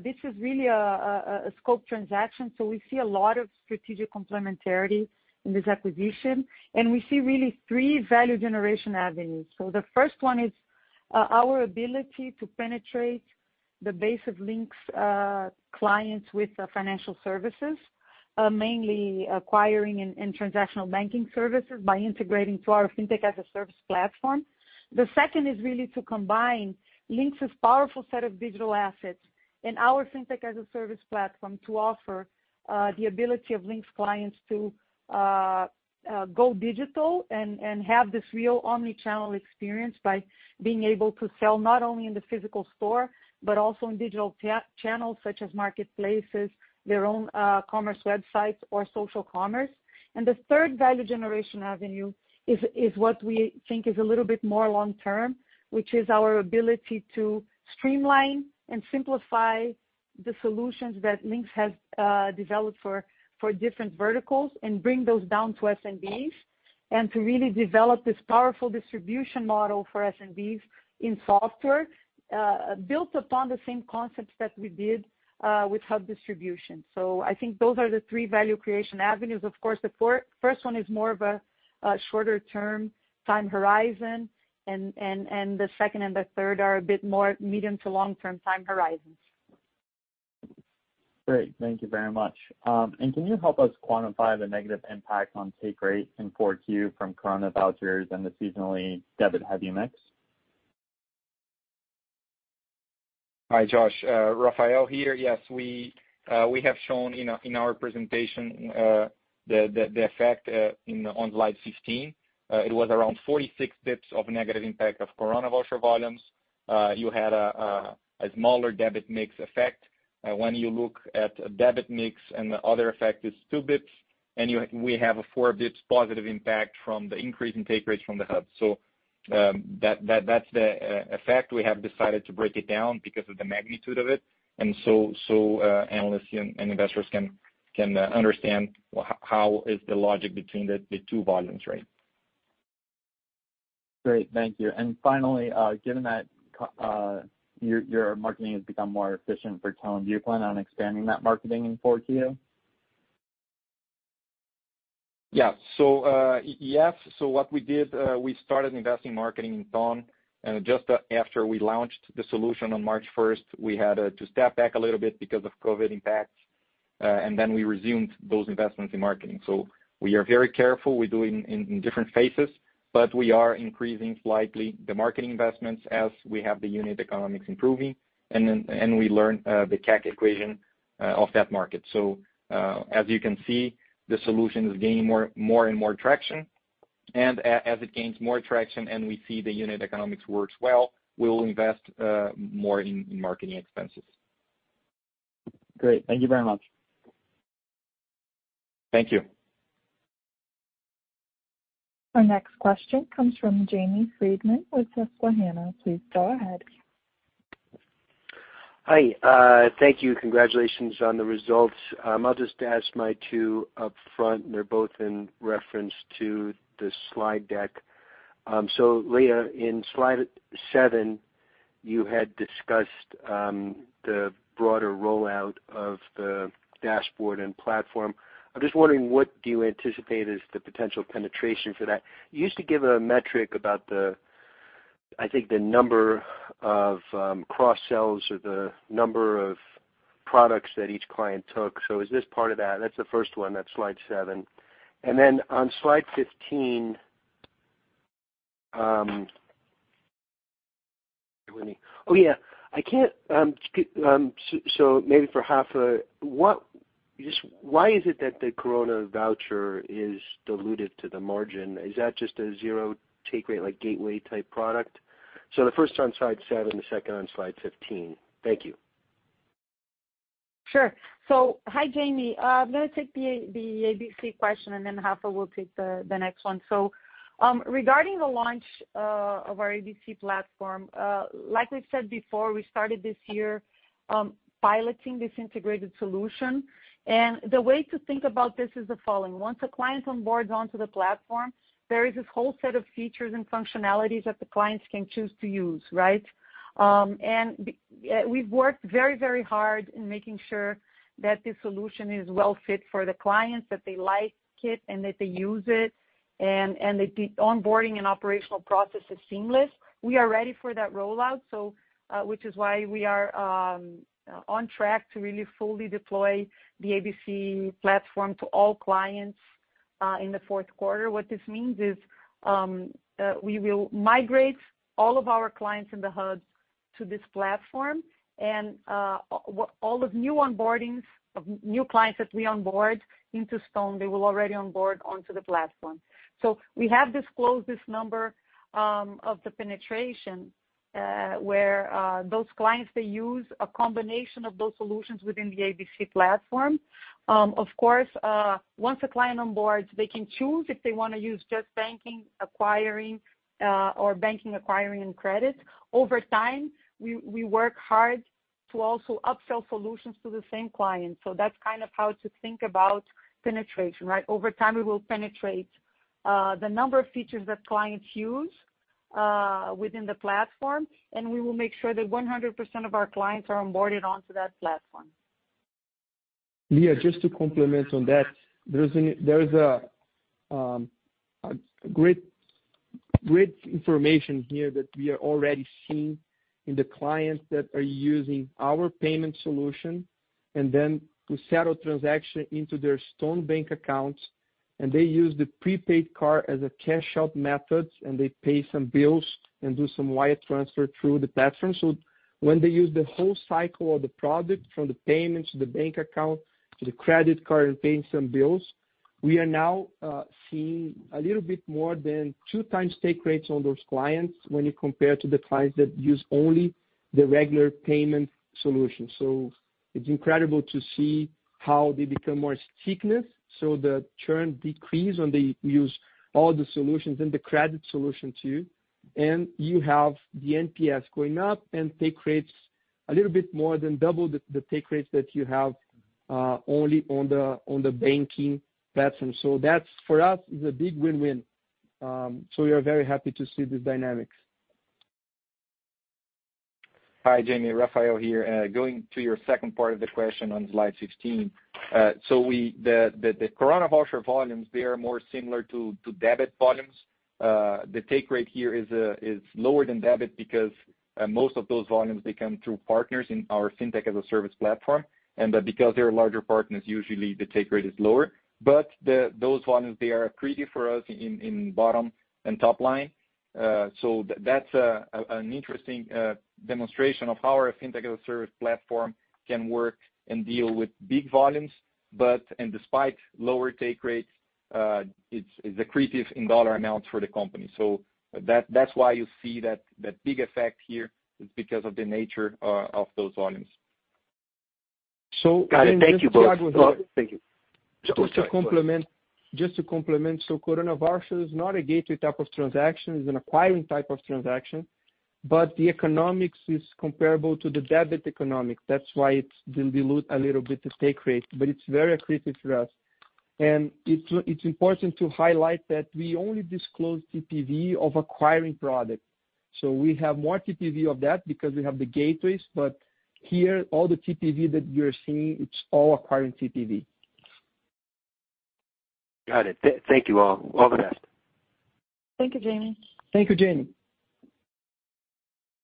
this is really a scope transaction. We see a lot of strategic complementarity in this acquisition, and we see really three value generation avenues. The first one is our ability to penetrate the base of Linx clients with financial services, mainly acquiring and transactional banking services by integrating to our Fintech-as-a-Service platform. The second is really to combine Linx's powerful set of digital assets and our Fintech-as-a-Service platform to offer the ability of Linx clients to go digital and have this real omni-channel experience by being able to sell not only in the physical store, but also in digital channels such as marketplaces, their own commerce websites or social commerce. The third value generation avenue is what we think is a little bit more long-term, which is our ability to streamline and simplify the solutions that Linx has developed for different verticals and bring those down to SMBs. To really develop this powerful distribution model for SMBs in software, built upon the same concepts that we did with hub distribution. I think those are the three value creation avenues. Of course, the first one is more of a shorter term time horizon, and the second and the third are a bit more medium to long-term time horizons. Great. Thank you very much. Can you help us quantify the negative impact on take rate in 4Q from Coronavoucher and the seasonally debit-heavy mix? Hi, Josh. Rafael here. Yes, we have shown in our presentation the effect on slide 15. It was around 46 basis points of negative impact of Coronavoucher volumes. You had a smaller debit mix effect. When you look at debit mix and the other effect is two basis points, and we have a four basis points positive impact from the increase in take rates from the hub. That's the effect. We have decided to break it down because of the magnitude of it, analysts and investors can Can understand how is the logic between the two volumes. Great. Thank you. Finally, given that your marketing has become more efficient for Stone, do you plan on expanding that marketing in 4Q? Yes. What we did, we started investing marketing in Stone, just after we launched the solution on March 1st, we had to step back a little bit because of COVID impact. We resumed those investments in marketing. We are very careful. We do it in different phases, we are increasing slightly the marketing investments as we have the unit economics improving. We learn the CAC equation of that market. As you can see, the solution is gaining more and more traction. As it gains more traction and we see the unit economics works well, we will invest more in marketing expenses. Great. Thank you very much. Thank you. Our next question comes from Jamie Friedman with Susquehanna. Please go ahead. Hi. Thank you. Congratulations on the results. I'll just ask my two upfront, and they're both in reference to the slide deck. Lia, in slide seven, you had discussed the broader rollout of the dashboard and platform. I'm just wondering, what do you anticipate is the potential penetration for that? You used to give a metric about the, I think the number of cross-sells or the number of products that each client took. Is this part of that? That's the first one. That's slide seven. On slide 15. Oh, yeah. Maybe for Rafael. Why is it that the Coronavoucher is diluted to the margin? Is that just a zero take rate, like gateway type product? The first on slide seven, the second on slide 15. Thank you. Sure. Hi, Jamie. I'm going to take the ABC question, and then Rafael will take the next one. The way to think about this is the following. Once a client onboards onto the platform, there is this whole set of features and functionalities that the clients can choose to use, right? We've worked very hard in making sure that this solution is well fit for the clients, that they like it and that they use it, and the onboarding and operational process is seamless. We are ready for that rollout. Which is why we are on track to really fully deploy the ABC platform to all clients in the fourth quarter. What this means is, we will migrate all of our clients in the hub to this platform. All the new onboardings of new clients that we onboard into Stone, they will already onboard onto the platform. We have disclosed this number of the penetration where those clients, they use a combination of those solutions within the ABC platform. Of course, once a client onboards, they can choose if they want to use just banking, acquiring or banking, acquiring, and credit. Over time, we work hard to also upsell solutions to the same client. That's kind of how to think about penetration, right? Over time, we will penetrate the number of features that clients use within the platform, and we will make sure that 100% of our clients are onboarded onto that platform. Lia, just to complement on that. There's great information here that we are already seeing in the clients that are using our payment solution and then to settle transaction into their Stone bank accounts, and they use the prepaid card as a cash out method, and they pay some bills and do some wire transfer through the platform. When they use the whole cycle of the product, from the payment to the bank account to the credit card and paying some bills, we are now seeing a little bit more than two times take rates on those clients when you compare to the clients that use only the regular payment solution. It's incredible to see how they become more stickness. The churn decrease when they use all the solutions and the credit solution too. You have the NPS going up and take rates a little bit more than double the take rates that you have only on the banking platform. That, for us, is a big win-win. We are very happy to see these dynamics. Hi, Jamie. Rafael here. Going to your second part of the question on slide 16. The Coronavoucher volumes, they are more similar to debit volumes. The take rate here is lower than debit because most of those volumes, they come through partners in our Fintech-as-a-Service platform. Because they are larger partners, usually the take rate is lower. Those volumes, they are accretive for us in bottom and top line. That's an interesting demonstration of how our Fintech-as-a-Service platform can work and deal with big volumes. Despite lower take rates, it's accretive in dollar amounts for the company. That's why you see that big effect here is because of the nature of those volumes. Got it. Thank you both. Just to complement. Coronavoucher is not a gateway type of transaction. It's an acquiring type of transaction. The economics is comparable to the debit economics. That's why it will dilute a little bit the take rate, but it's very accretive for us. It's important to highlight that we only disclose TPV of acquiring products. We have more TPV of that because we have the gateways, here, all the TPV that you're seeing, it's all acquiring TPV. Got it. Thank you all. All the best. Thank you, Jamie. Thank you, Jamie.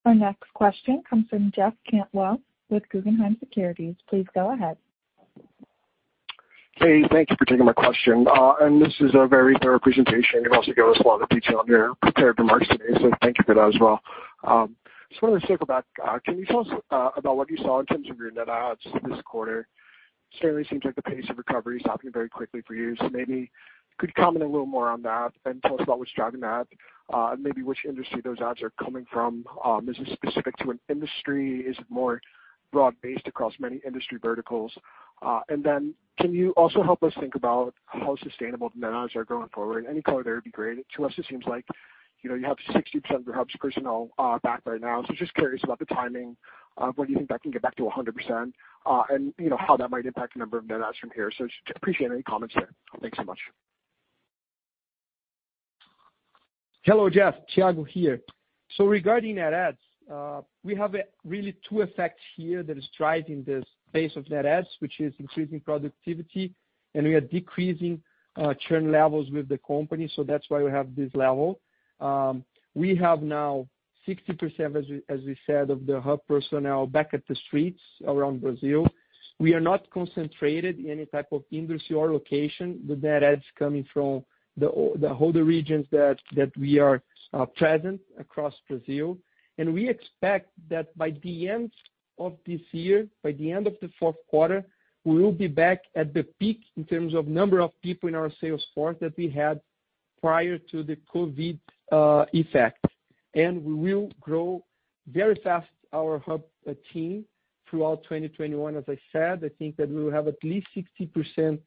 Our next question comes from Jeff Cantwell with Guggenheim Securities. Please go ahead. Hey, thank you for taking my question. This is a very thorough presentation. You've also given us a lot of detail on your prepared remarks today, so thank you for that as well. Just wanted to circle back. Can you tell us about what you saw in terms of your net adds this quarter? Certainly seems like the pace of recovery is happening very quickly for you, so maybe could you comment a little more on that and tell us about what's driving that? Maybe which industry those adds are coming from? Is this specific to an industry? Is it more broad-based across many industry verticals? Can you also help us think about how sustainable the net adds are going forward? Any color there would be great. To us, it seems like you have 60% of your hubs personnel back right now. Just curious about the timing of when you think that can get back to 100% and how that might impact the number of net adds from here. Just appreciate any comments there. Thanks so much. Hello, Jeff. Thiago here. Regarding net adds, we have really two effects here that is driving this pace of net adds, which is increasing productivity, and we are decreasing churn levels with the company. That's why we have this level. We have now 60%, as we said, of the hub personnel back at the streets around Brazil. We are not concentrated in any type of industry or location. The net adds coming from the whole regions that we are present across Brazil. We expect that by the end of this year, by the end of the fourth quarter, we will be back at the peak in terms of number of people in our sales force that we had prior to the COVID effect. We will grow very fast our hub team throughout 2021. As I said, I think that we will have at least 60%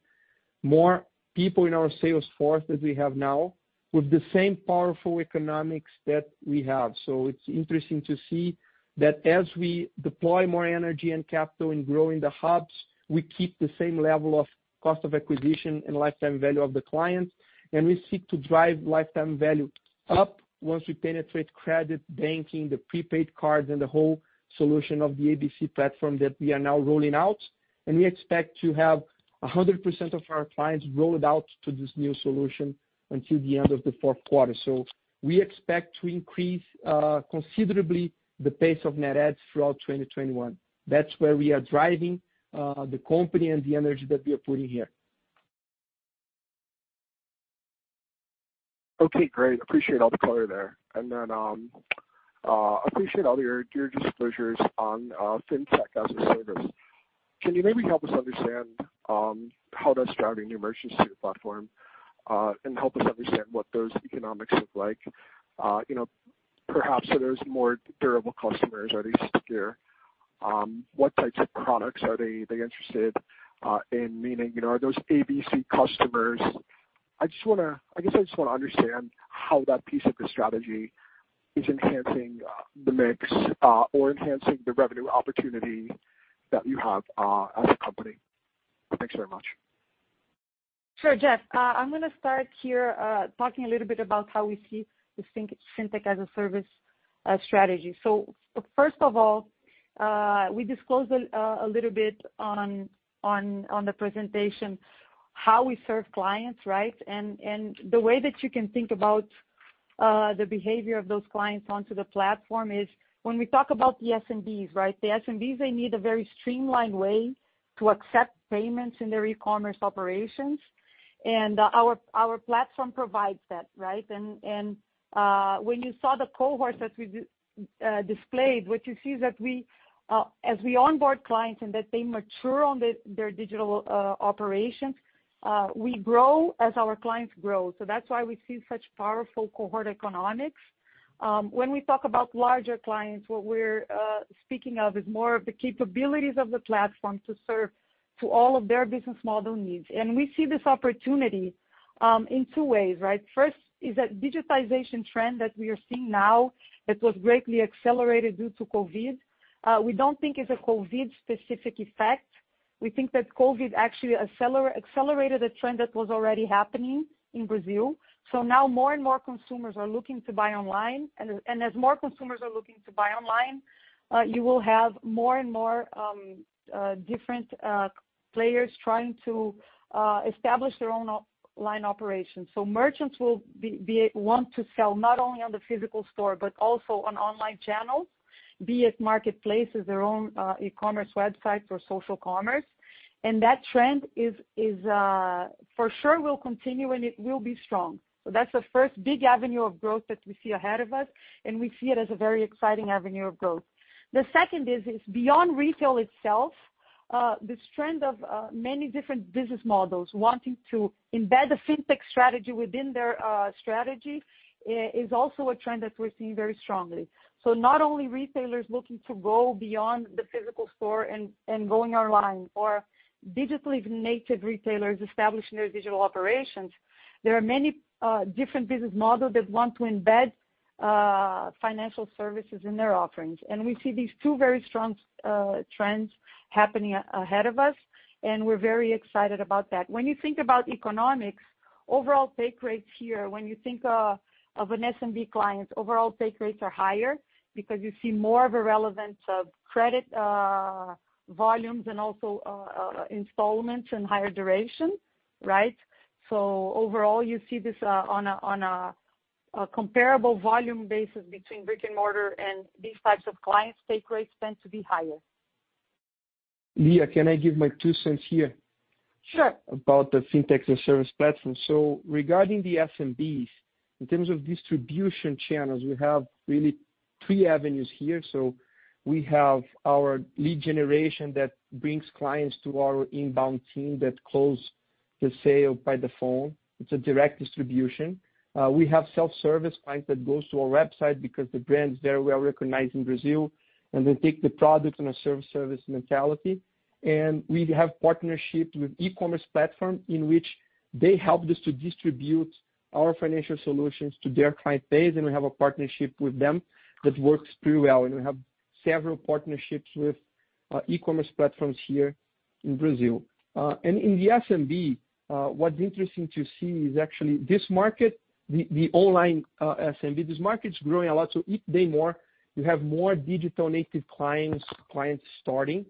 more people in our sales force than we have now with the same powerful economics that we have. It's interesting to see that as we deploy more energy and capital in growing the hubs, we keep the same level of cost of acquisition and lifetime value of the clients, and we seek to drive lifetime value up once we penetrate credit, banking, the prepaid cards, and the whole solution of the ABC platform that we are now rolling out. We expect to have 100% of our clients rolled out to this new solution until the end of the fourth quarter. We expect to increase considerably the pace of net adds throughout 2021. That's where we are driving the company and the energy that we are putting here. Okay, great. Appreciate all the color there. Appreciate all your disclosures on Fintech-as-a-Service. Can you maybe help us understand how that's driving new merchants to your platform? Help us understand what those economics look like. Perhaps are those more durable customers? Are they stickier? What types of products are they interested in? Meaning, are those ABC customers? I guess I just want to understand how that piece of the strategy is enhancing the mix or enhancing the revenue opportunity that you have as a company. Thanks very much. Sure, Jeff. I'm going to start here talking a little bit about how we see the Fintech-as-a-Service strategy. First of all, we disclosed a little bit on the presentation how we serve clients, right? The way that you can think about the behavior of those clients onto the platform is when we talk about the SMBs. The SMBs, they need a very streamlined way to accept payments in their e-commerce operations. Our platform provides that, right? When you saw the cohorts that we displayed, what you see is that as we onboard clients and that they mature on their digital operations we grow as our clients grow. That's why we see such powerful cohort economics. When we talk about larger clients, what we're speaking of is more of the capabilities of the platform to serve to all of their business model needs. We see this opportunity in two ways. First is that digitization trend that we are seeing now that was greatly accelerated due to COVID. We don't think it's a COVID specific effect. We think that COVID actually accelerated a trend that was already happening in Brazil. Now more and more consumers are looking to buy online. As more consumers are looking to buy online, you will have more and more different players trying to establish their own online operations. Merchants will want to sell not only on the physical store, but also on online channels, be it marketplaces, their own e-commerce website or social commerce. That trend for sure will continue, and it will be strong. That's the first big avenue of growth that we see ahead of us, and we see it as a very exciting avenue of growth. The second is beyond retail itself. This trend of many different business models wanting to embed the fintech strategy within their strategy is also a trend that we're seeing very strongly. Not only retailers looking to go beyond the physical store and going online or digitally native retailers establishing their digital operations, there are many different business models that want to embed financial services in their offerings. We see these two very strong trends happening ahead of us, and we're very excited about that. When you think about economics, overall take rates here, when you think of an SMB client, overall take rates are higher because you see more of a relevance of credit volumes and also installments and higher duration. Right? Overall, you see this on a comparable volume basis between brick and mortar and these types of clients, take rates tend to be higher. Lia, can I give my two cents here? Sure about the Fintech-as-a-Service platform. Regarding the SMBs, in terms of distribution channels, we have really three avenues here. We have our lead generation that brings clients to our inbound team that close the sale by the phone. It's a direct distribution. We have self-service clients that go to our website because the brand is very well-recognized in Brazil, and they take the product in a self-service mentality. We have partnership with e-commerce platform, in which they help us to distribute our financial solutions to their client base, and we have a partnership with them that works pretty well. We have several partnerships with e-commerce platforms here in Brazil. In the SMB, what's interesting to see is actually this market, the online SMB, this market's growing a lot. Each day more, you have more digital-native clients starting.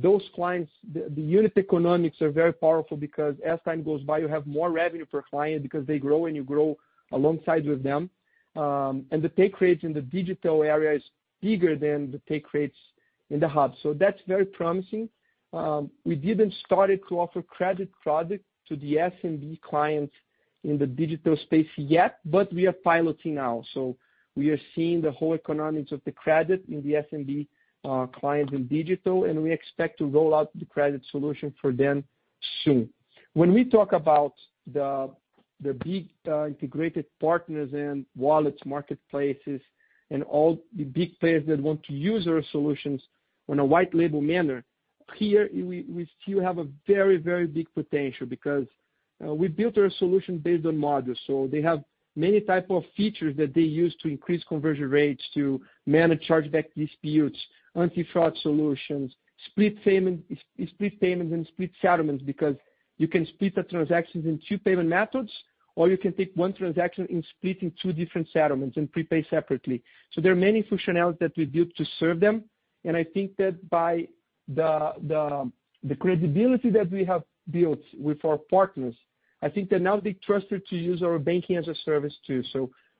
Those clients, the unit economics are very powerful because as time goes by, you have more revenue per client because they grow, and you grow alongside with them. The take rates in the digital area is bigger than the take rates in the hub. That's very promising. We didn't start to offer credit product to the SMB clients in the digital space yet, but we are piloting now. We are seeing the whole economics of the credit in the SMB clients in digital, and we expect to roll out the credit solution for them soon. When we talk about the big integrated partners and wallets, marketplaces, and all the big players that want to use our solutions on a white label manner, here, we still have a very, very big potential because we built our solution based on modules. They have many type of features that they use to increase conversion rates, to manage chargeback disputes, anti-fraud solutions, split payments and split settlements, because you can split the transactions in two payment methods, or you can take one transaction and split in two different settlements and prepay separately. There are many functionalities that we built to serve them. I think that by the credibility that we have built with our partners, I think that now they trusted to use our banking as a service too.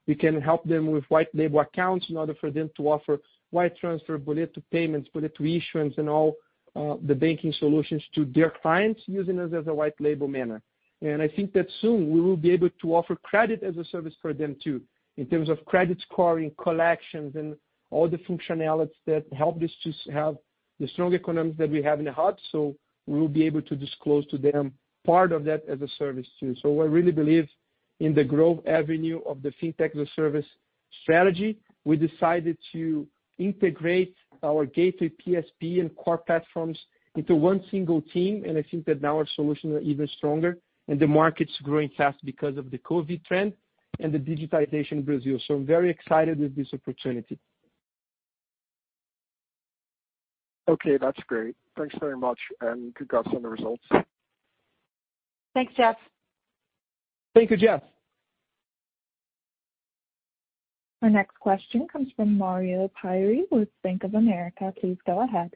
We can help them with white label accounts in order for them to offer wire transfer, boleto payments, boleto issuance, and all the banking solutions to their clients using us as a white label manner. I think that soon we will be able to offer credit as a service for them too, in terms of credit scoring, collections, and all the functionalities that help us to have the strong economics that we have in the hub. We will be able to disclose to them part of that as a service too. I really believe in the growth avenue of the Fintech-as-a-Service strategy. We decided to integrate our gateway PSP and core platforms into one single team, and I think that now our solutions are even stronger, and the market's growing fast because of the COVID trend and the digitization in Brazil. I'm very excited with this opportunity. Okay, that's great. Thanks very much, and congrats on the results. Thanks, Jeff. Thank you, Jeff. Our next question comes from Mario Pierry with Bank of America. Please go ahead.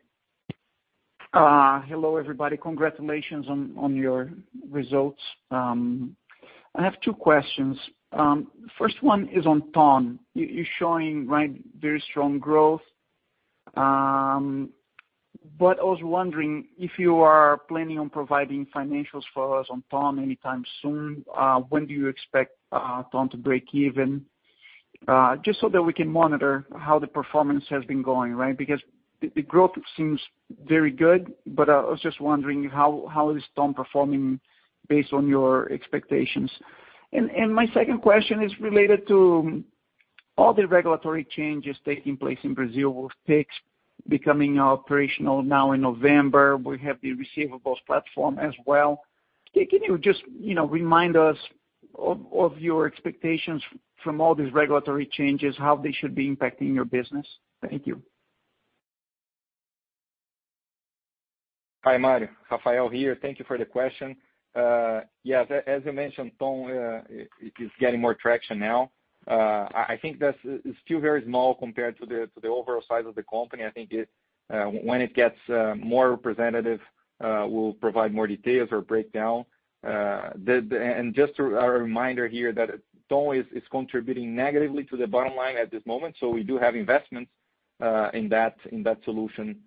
Hello, everybody. Congratulations on your results. I have two questions. First one is on Ton. You're showing very strong growth. I was wondering if you are planning on providing financials for us on Ton anytime soon. When do you expect Ton to break even? Just so that we can monitor how the performance has been going, right? The growth seems very good. I was just wondering how is Ton performing based on your expectations. My second question is related to all the regulatory changes taking place in Brazil with Pix becoming operational now in November. We have the receivables platform as well. Can you just remind us of your expectations from all these regulatory changes, how they should be impacting your business? Thank you. Hi, Mario. Rafael here. Thank you for the question. Yes. As you mentioned, Ton is getting more traction now. I think that's still very small compared to the overall size of the company. I think when it gets more representative, we'll provide more details or breakdown. Just a reminder here that Ton is contributing negatively to the bottom line at this moment, so we do have investments in that solution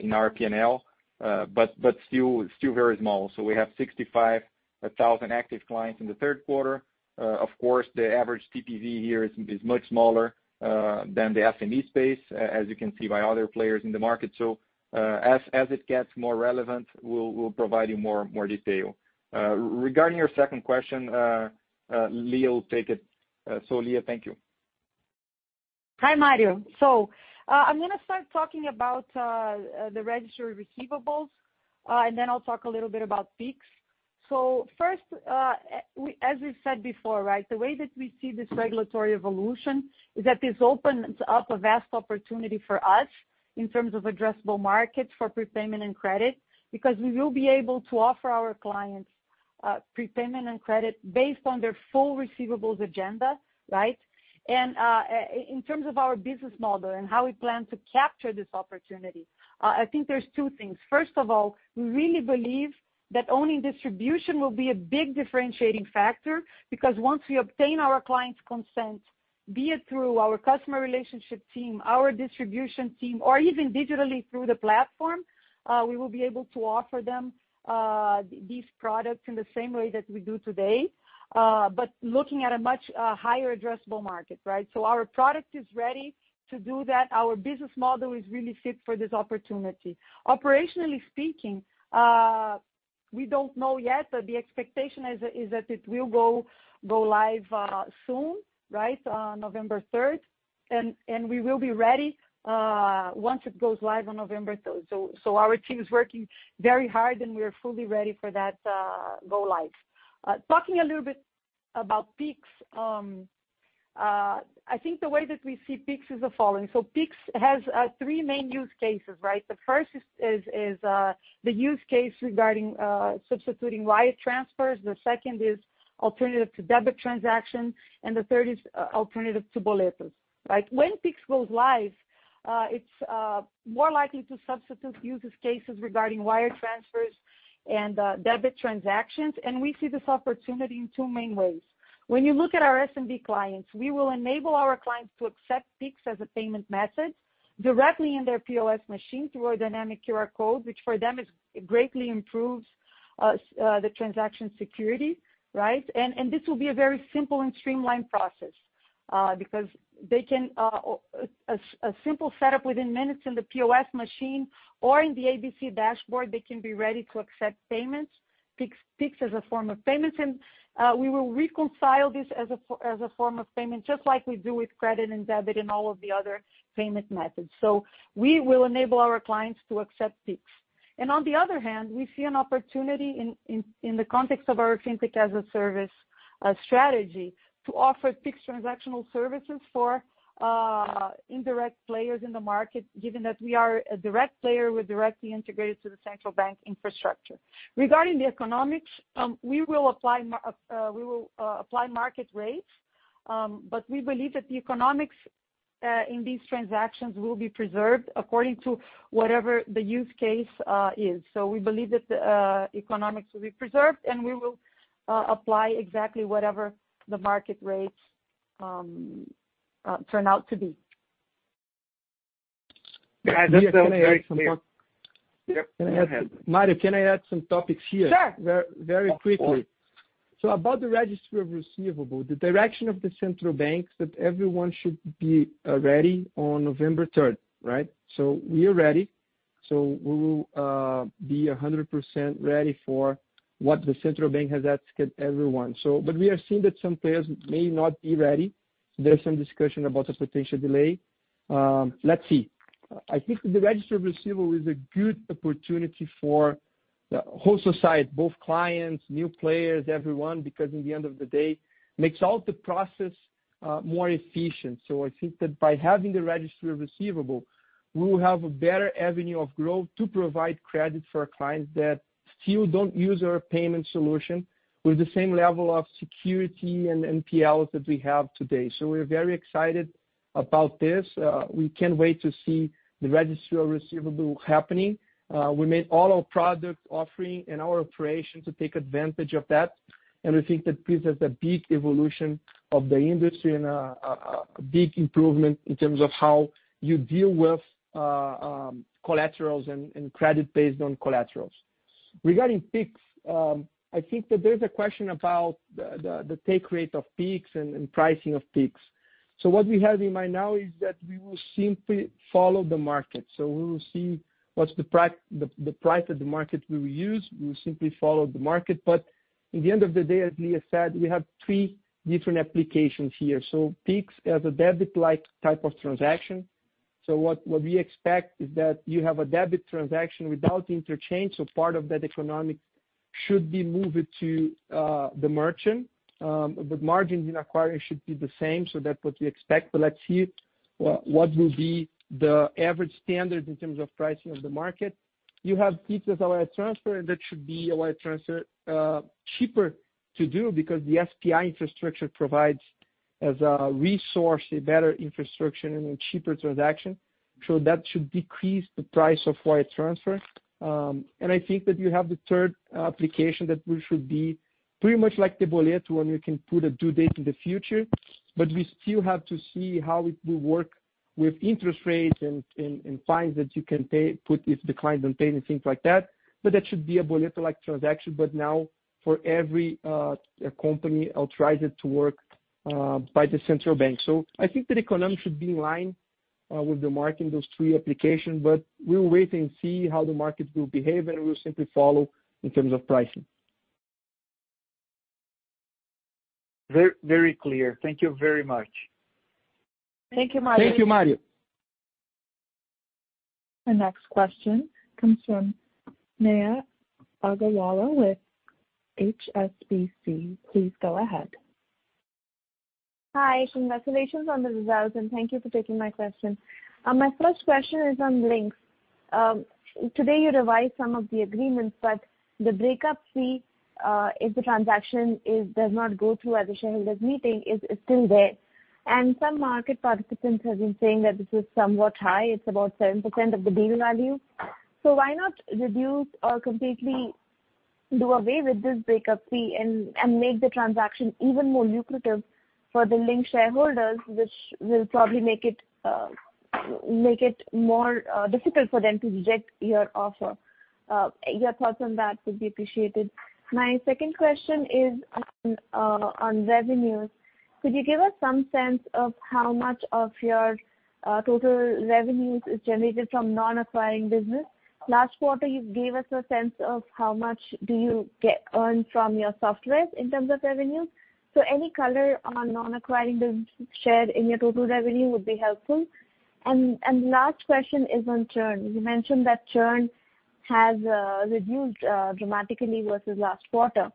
in our P&L but still very small. We have 65,000 active clients in the third quarter. Of course, the average TPV here is much smaller than the SMB space, as you can see by other players in the market. As it gets more relevant, we'll provide you more detail. Regarding your second question, Lia will take it. Lia, thank you. Hi, Mario. I'm going to start talking about the registry receivables, and then I'll talk a little bit about Pix. First, as we've said before, right? The way that we see this regulatory evolution is that this opens up a vast opportunity for us in terms of addressable markets for prepayment and credit, because we will be able to offer our clients prepayment and credit based on their full receivables agenda, right? In terms of our business model and how we plan to capture this opportunity, I think there's two things. First of all, we really believe that owning distribution will be a big differentiating factor, because once we obtain our client's consent, be it through our customer relationship team, our distribution team, or even digitally through the platform, we will be able to offer them these products in the same way that we do today. Looking at a much higher addressable market, right? Our product is ready to do that. Our business model is really fit for this opportunity. Operationally speaking, we don't know yet, but the expectation is that it will go live soon, right? On November 3rd. We will be ready once it goes live on November 3rd. Our team is working very hard, and we are fully ready for that go live. Talking a little bit about Pix. I think the way that we see Pix is the following. Pix has three main use cases, right? The first is the use case regarding substituting wire transfers, the second is alternative to debit transaction, and the third is alternative to boleto. Right? When Pix goes live, it's more likely to substitute use cases regarding wire transfers and debit transactions, and we see this opportunity in two main ways. When you look at our SMB clients, we will enable our clients to accept Pix as a payment method directly in their POS machine through our dynamic QR code, which for them greatly improves the transaction security, right? This will be a very simple and streamlined process, because a simple setup within minutes in the POS machine or in the ABC dashboard, they can be ready to accept payments, Pix as a form of payment. We will reconcile this as a form of payment, just like we do with credit and debit and all of the other payment methods. We will enable our clients to accept Pix. On the other hand, we see an opportunity in the context of our Fintech-as-a-Service strategy to offer Pix transactional services for indirect players in the market, given that we are a direct player, we're directly integrated to the central bank infrastructure. Regarding the economics, we will apply market rates, we believe that the economics in these transactions will be preserved according to whatever the use case is. We believe that the economics will be preserved, we will apply exactly whatever the market rates turn out to be. Yeah, that sounds very clear. Mario, can I add some topics here? Sure. Very quickly. About the registry of receivables, the direction of the central bank that everyone should be ready on November 3rd, right? We are ready. We will be 100% ready for what the central bank has asked everyone. We are seeing that some players may not be ready. There's some discussion about a potential delay. Let's see. I think the register of receivable is a good opportunity for the whole society, both clients, new players, everyone, because in the end of the day, makes all the process more efficient. I think that by having the register of receivable, we will have a better avenue of growth to provide credit for our clients that still don't use our payment solution with the same level of security and NPLs that we have today. We're very excited about this. We can't wait to see the register of receivable happening. We made all our product offering and our operation to take advantage of that. We think that this is a big evolution of the industry and a big improvement in terms of how you deal with collaterals and credit based on collaterals. Regarding Pix, I think that there's a question about the take rate of Pix and pricing of Pix. What we have in mind now is that we will simply follow the market. We will see what's the price that the market will use. We will simply follow the market. At the end of the day, as Lia said, we have three different applications here. Pix as a debit-like type of transaction. What we expect is that you have a debit transaction without interchange, so part of that economic should be moved to the merchant. The margins in acquiring should be the same, so that's what we expect. Let's see what will be the average standard in terms of pricing of the market. You have Pix as a wire transfer, that should be a wire transfer cheaper to do because the SPI infrastructure provides as a resource a better infrastructure and a cheaper transaction. That should decrease the price of wire transfer. I think that you have the third application that should be pretty much like the boleto, and we can put a due date in the future. We still have to see how it will work with interest rates and fines that you can put if the client don't pay and things like that. That should be a boleto-like transaction, but now for every company authorized to work by the central bank. I think that economics should be in line with the market in those three applications, but we'll wait and see how the market will behave, and we'll simply follow in terms of pricing. Very clear. Thank you very much. Thank you, Mario. Thank you, Mario. The next question comes from Neha Agarwala with HSBC. Please go ahead. Hi, congratulations on the results, and thank you for taking my question. My first question is on Linx. Today you revised some of the agreements, but the breakup fee, if the transaction does not go through at the shareholders' meeting, is still there. Some market participants have been saying that this is somewhat high. It's about 7% of the deal value. Why not reduce or completely do away with this breakup fee and make the transaction even more lucrative for the Linx shareholders, which will probably make it more difficult for them to reject your offer? Your thoughts on that would be appreciated. My second question is on revenues. Could you give us some sense of how much of your total revenues is generated from non-acquiring business? Last quarter, you gave us a sense of how much do you earn from your softwares in terms of revenue. Any color on non-acquiring business share in your total revenue would be helpful. The last question is on churn. You mentioned that churn has reduced dramatically versus last quarter.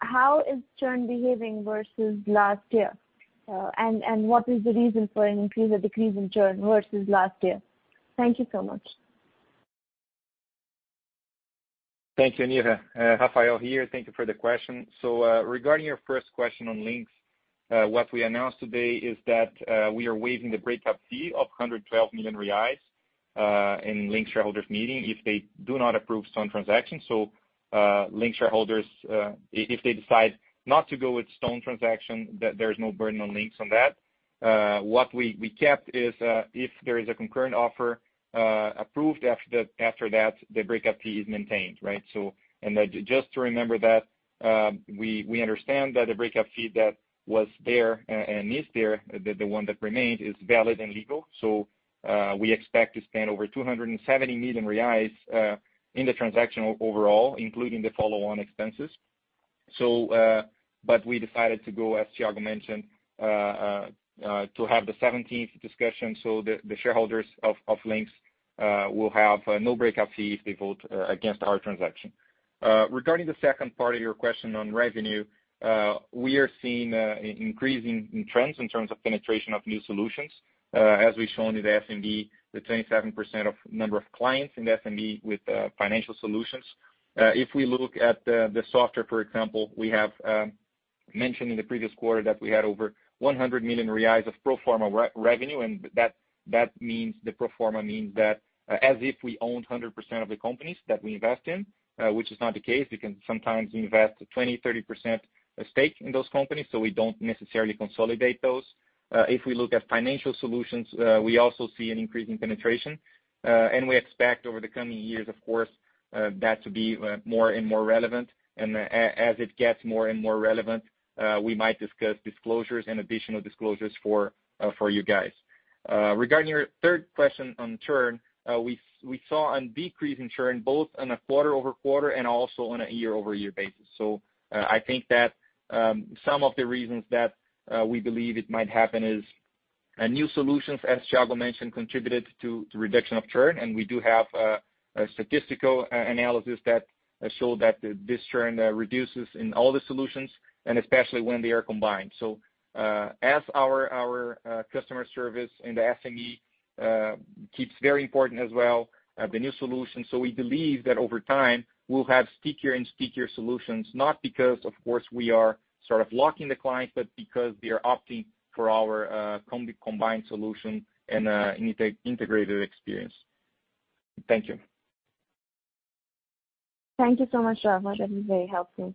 How is churn behaving versus last year? What is the reason for an increase or decrease in churn versus last year? Thank you so much. Thank you, Neha. Rafael here. Thank you for the question. Regarding your first question on Linx, what we announced today is that we are waiving the breakup fee of 112 million reais in Linx shareholders meeting if they do not approve Stone transaction. Linx shareholders, if they decide not to go with Stone transaction, there's no burden on Linx on that. What we kept is, if there is a concurrent offer approved after that, the breakup fee is maintained. Just to remember that, we understand that the breakup fee that was there and is there, the one that remains, is valid and legal. We expect to spend over 270 million reais in the transaction overall, including the follow-on expenses. We decided to go, as Thiago mentioned, to have the 17th discussion so the shareholders of Linx will have no breakup fee if they vote against our transaction. Regarding the second part of your question on revenue, we are seeing an increase in trends in terms of penetration of new solutions. As we've shown in the SMB, the 27% of number of clients in SMB with financial solutions. If we look at the software, for example, we have mentioned in the previous quarter that we had over 100 million reais of pro forma revenue, and the pro forma means that as if we owned 100% of the companies that we invest in, which is not the case. We can sometimes invest 20%, 30% stake in those companies, so we don't necessarily consolidate those. If we look at financial solutions, we also see an increase in penetration. We expect over the coming years, of course, that to be more and more relevant. As it gets more and more relevant, we might discuss disclosures and additional disclosures for you guys. Regarding your third question on churn, we saw a decrease in churn both on a quarter-over-quarter and also on a year-over-year basis. I think that some of the reasons that we believe it might happen is new solutions, as Thiago mentioned, contributed to the reduction of churn, and we do have a statistical analysis that show that this churn reduces in all the solutions and especially when they are combined. As our customer service in the SME keeps very important as well, the new solution. We believe that over time, we'll have stickier and stickier solutions, not because, of course, we are sort of locking the clients, but because they are opting for our combined solution and integrated experience. Thank you. Thank you so much, Rafael. That was very helpful.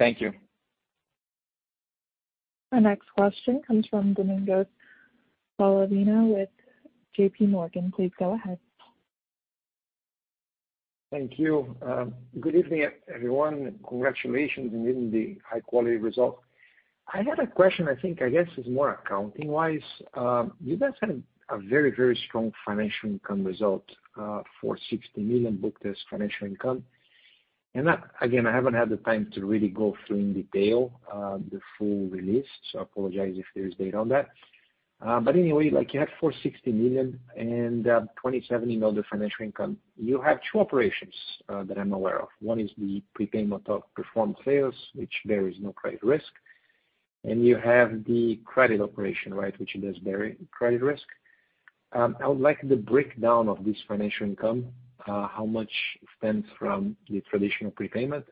Thank you. Our next question comes from Domingos Falavina with JPMorgan. Please go ahead. Thank you. Good evening, everyone. Congratulations on meeting the high-quality result. I had a question, I think, I guess it's more accounting-wise. You guys had a very strong financial income result, 460 million booked as financial income. Again, I haven't had the time to really go through in detail the full release, so I apologize if there is data on that. Anyway, you had 460 million and 27 million of financial income. You have two operations that I'm aware of. One is the prepayment of performed sales, which there is no credit risk, and you have the credit operation, which does bear credit risk. I would like the breakdown of this financial income, how much stems from the traditional prepayment,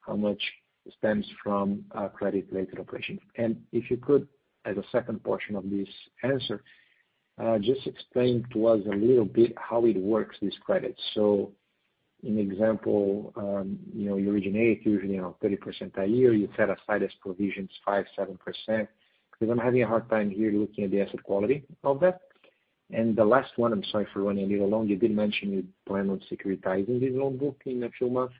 how much stems from credit-related operations. If you could, as a second portion of this answer, just explain to us a little bit how it works, this credit. An example, you originate usually on 30% a year, you set aside as provisions 5%, 7%, because I'm having a hard time here looking at the asset quality of that. The last one, I'm sorry for running a little long. You did mention you plan on securitizing this loan book in a few months.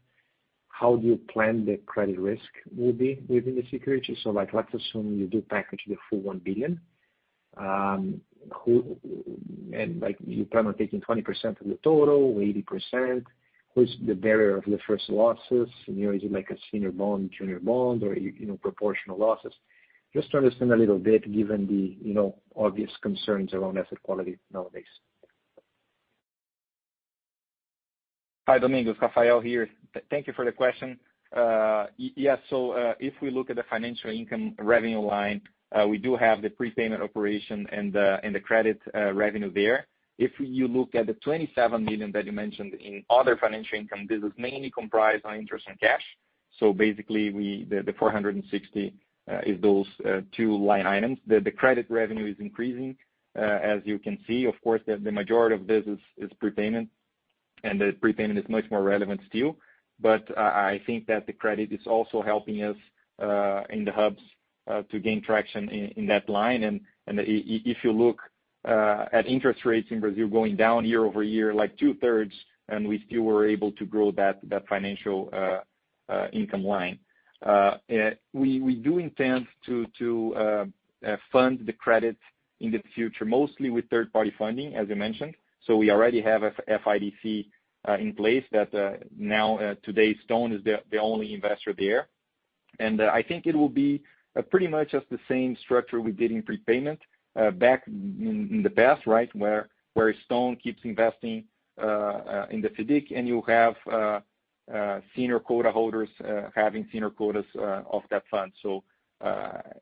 How do you plan the credit risk will be within the security? Let's assume you do package the full 1 billion. You plan on taking 20% of the total, or 80%? Who's the bearer of the first losses? Is it like a senior bond, junior bond, or proportional losses? Just to understand a little bit given the obvious concerns around asset quality nowadays. Hi, Domingos. Rafael here. Thank you for the question. Yes, if we look at the financial income revenue line, we do have the prepayment operation and the credit revenue there. If you look at the 27 million that you mentioned in other financial income, this is mainly comprised on interest and cash. Basically, the 460 is those two line items. The credit revenue is increasing. As you can see, of course, the majority of this is prepayment, and the prepayment is much more relevant still. I think that the credit is also helping us in the hubs to gain traction in that line. If you look at interest rates in Brazil going down year over year, like two-thirds, and we still were able to grow that financial income line. We do intend to fund the credit in the future, mostly with third-party funding, as you mentioned. We already have FIDC in place that now today Stone is the only investor there. I think it will be pretty much just the same structure we did in prepayment back in the past, right? Where Stone keeps investing in the FIDC, and you have senior quota holders having senior quotas of that fund.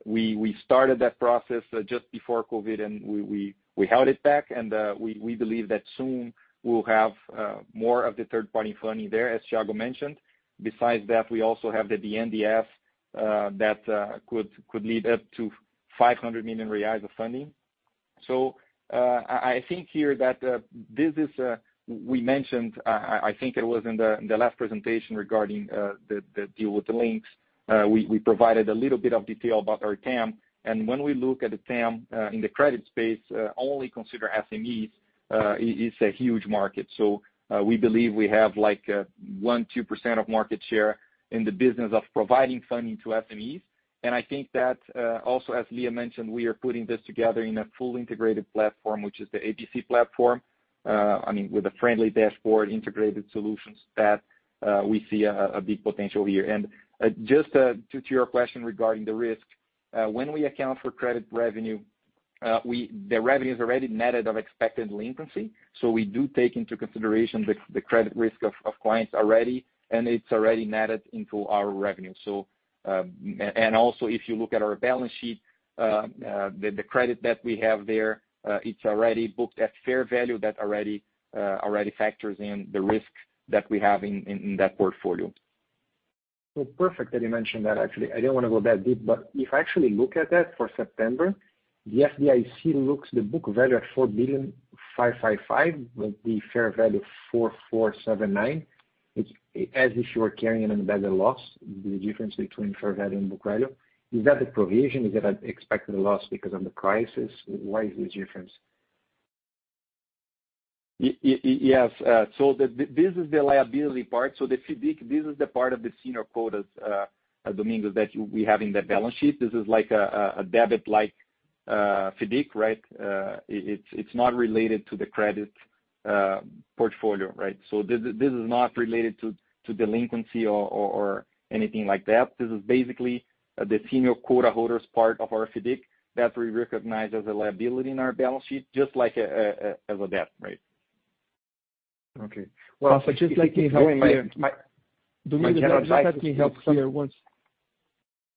We started that process just before COVID-19, and we held it back, and we believe that soon we will have more of the third-party funding there, as Thiago mentioned. Besides that, we also have the BNDES that could lead up to 500 million reais of funding. I think here that this is, we mentioned, I think it was in the last presentation regarding the deal with the Linx. We provided a little bit of detail about our TAM, when we look at the TAM in the credit space, only consider SMEs, it's a huge market. We believe we have like 1%, 2% of market share in the business of providing funding to SMEs. I think that also, as Lia mentioned, we are putting this together in a full integrated platform, which is the ABC platform. With a friendly dashboard, integrated solutions that we see a big potential here. Just to your question regarding the risk, when we account for credit revenue, the revenue is already netted of expected delinquency. We do take into consideration the credit risk of clients already, it's already netted into our revenue. Also, if you look at our balance sheet, the credit that we have there, it's already booked at fair value that already factors in the risk that we have in that portfolio. Perfect that you mentioned that, actually. I didn't want to go that deep, if I actually look at that for September, the FIDC looks the book value at 4 ,555 with the fair value of 4,479. As if you are carrying an embedded loss, the difference between fair value and book value. Is that the provision? Is that an expected loss because of the crisis? Why is the difference? Yes. This is the liability part. The FIDC, this is the part of the senior quotas, Domingos, that we have in the balance sheet. This is like a debit-like FIDC, right? It's not related to the credit portfolio, right? This is not related to delinquency or anything like that. This is basically the senior quota holders part of our FIDC that we recognize as a liability in our balance sheet, just like as a debt, right? Okay. Just let me help here. Domingos- My general advice is- Just let me help here once.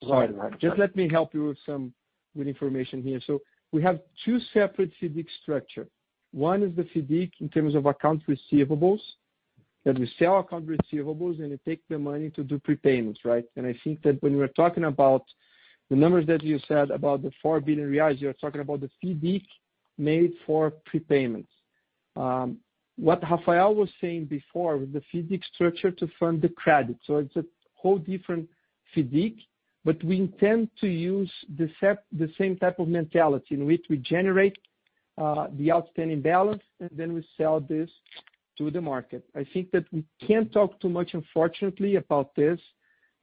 Sorry. Just let me help you with some good information here. We have two separate FIDC structure. One is the FIDC in terms of accounts receivables, that we sell account receivables, and it take the money to do prepayments, right? I think that when we're talking about the numbers that you said about the 4 billion reais, you're talking about the FIDC made for prepayments. What Rafael was saying before with the FIDC structure to fund the credit. It's a whole different FIDC, but we intend to use the same type of mentality in which we generate the outstanding balance, and then we sell this to the market. I think that we can't talk too much, unfortunately, about this,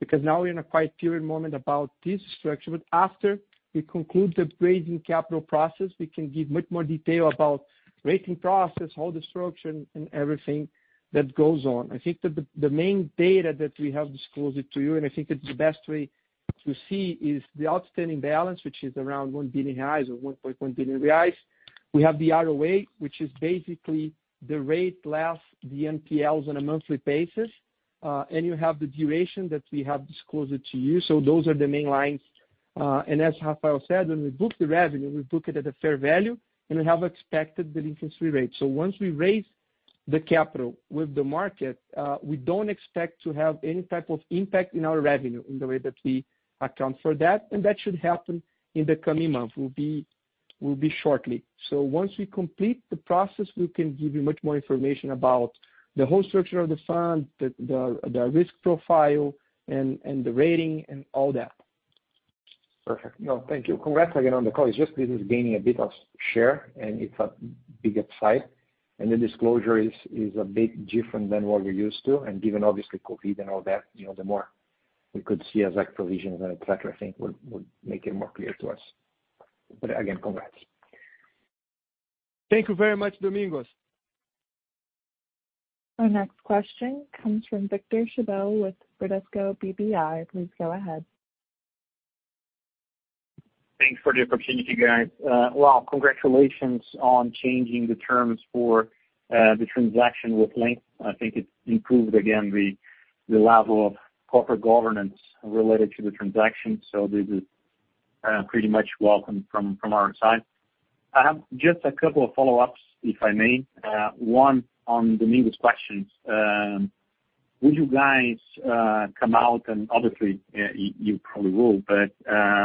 because now we're in a quiet period moment about this structure. After we conclude the raising capital process, we can give much more detail about rating process, whole structure, and everything that goes on. I think that the main data that we have disclosed to you, and I think it's the best way to see is the outstanding balance, which is around 1 billion reais or 1.1 billion reais. We have the ROA, which is basically the rate less the NPLs on a monthly basis. You have the duration that we have disclosed to you. Those are the main lines. As Rafael said, when we book the revenue, we book it at a fair value, and we have expected delinquency rate. Once we raise the capital with the market, we don't expect to have any type of impact in our revenue in the way that we account for that, and that should happen in the coming months. Will be shortly. Once we complete the process, we can give you much more information about the whole structure of the fund, the risk profile and the rating and all that. Perfect. Thank you. Congrats again on the call. It's just, this is gaining a bit of share, and it's a big upside. The disclosure is a bit different than what we're used to. Given obviously COVID and all that, the more we could see as a provision and et cetera, I think would make it more clear to us. Again, congrats. Thank you very much, Domingos. Our next question comes from Victor Schabbel with Bradesco BBI. Please go ahead. Thanks for the opportunity, guys. Well, congratulations on changing the terms for the transaction with Linx. I think it improved, again, the level of corporate governance related to the transaction. This is pretty much welcome from our side. I have just a couple of follow-ups, if I may. One on Domingos' questions. Will you guys come out, and obviously, you probably will, but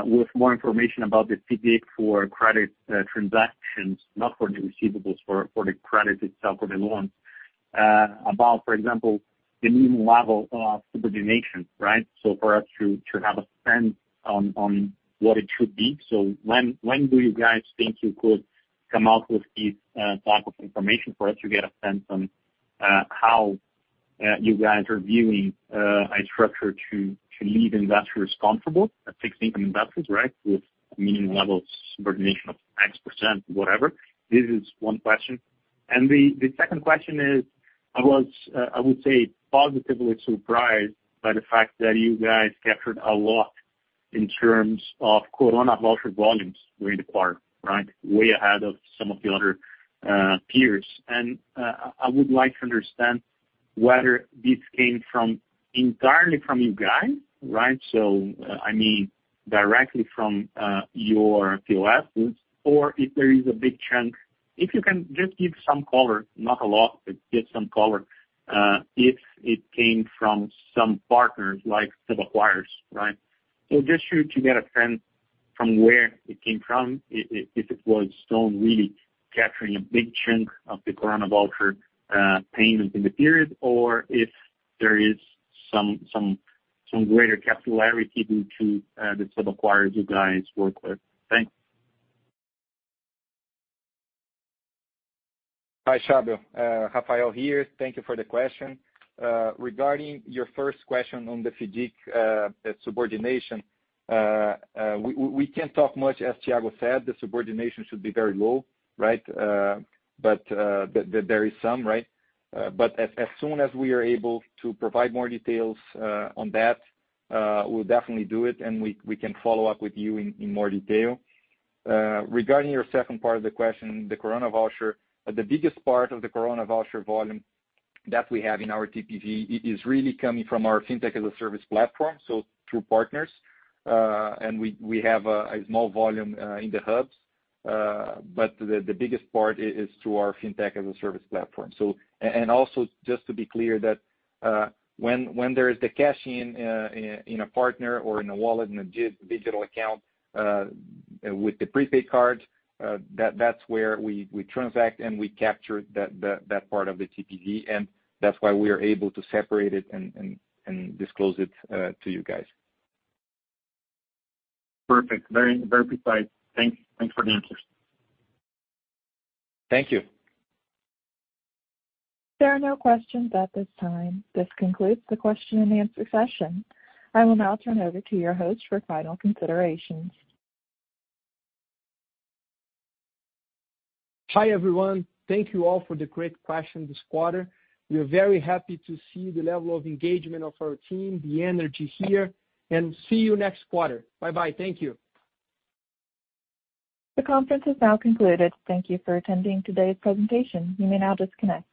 with more information about the FIDC for credit transactions, not for the receivables, for the credit itself, or the loans. About, for example, the new level of subordination, right? For us to have a sense on what it should be. When do you guys think you could come out with this type of information for us to get a sense on how you guys are viewing a structure to leave investors comfortable, fixed income investors, right? With minimum levels subordination of X percent, whatever. This is one question. The second question is, I would say positively surprised by the fact that you guys captured a lot in terms of Coronavoucher volumes during the quarter, right? Way ahead of some of the other peers. I would like to understand whether this came entirely from you guys, right? I mean, directly from your POSs or if there is a big chunk. If you can just give some color, not a lot, but just some color, if it came from some partners like sub-acquirers, right? Just to get a sense from where it came from, if it was Stone really capturing a big chunk of the Coronavoucher payments in the period, or if there is some greater capillarity due to the sub-acquirers you guys work with. Thanks. Hi, Schabbel. Rafael here. Thank you for the question. Regarding your first question on the FIDC subordination, we can't talk much. As Thiago said, the subordination should be very low, right? There is some, right? As soon as we are able to provide more details on that, we'll definitely do it, and we can follow up with you in more detail. Regarding your second part of the question, the Coronavoucher. The biggest part of the Coronavoucher volume that we have in our TPV is really coming from our Fintech-as-a-Service platform, so through partners. We have a small volume in the hubs. The biggest part is through our Fintech-as-a-Service platform. Also just to be clear that when there is the cash-in a partner or in a wallet in a digital account with the prepaid cards, that's where we transact and we capture that part of the TPV, and that's why we are able to separate it and disclose it to you guys. Perfect. Very precise. Thanks for the answers. Thank you. There are no questions at this time. This concludes the question and answer session. I will now turn over to your host for final considerations. Hi, everyone. Thank you all for the great questions this quarter. We are very happy to see the level of engagement of our team, the energy here, and see you next quarter. Bye bye. Thank you. The conference is now concluded. Thank you for attending today's presentation. You may now disconnect.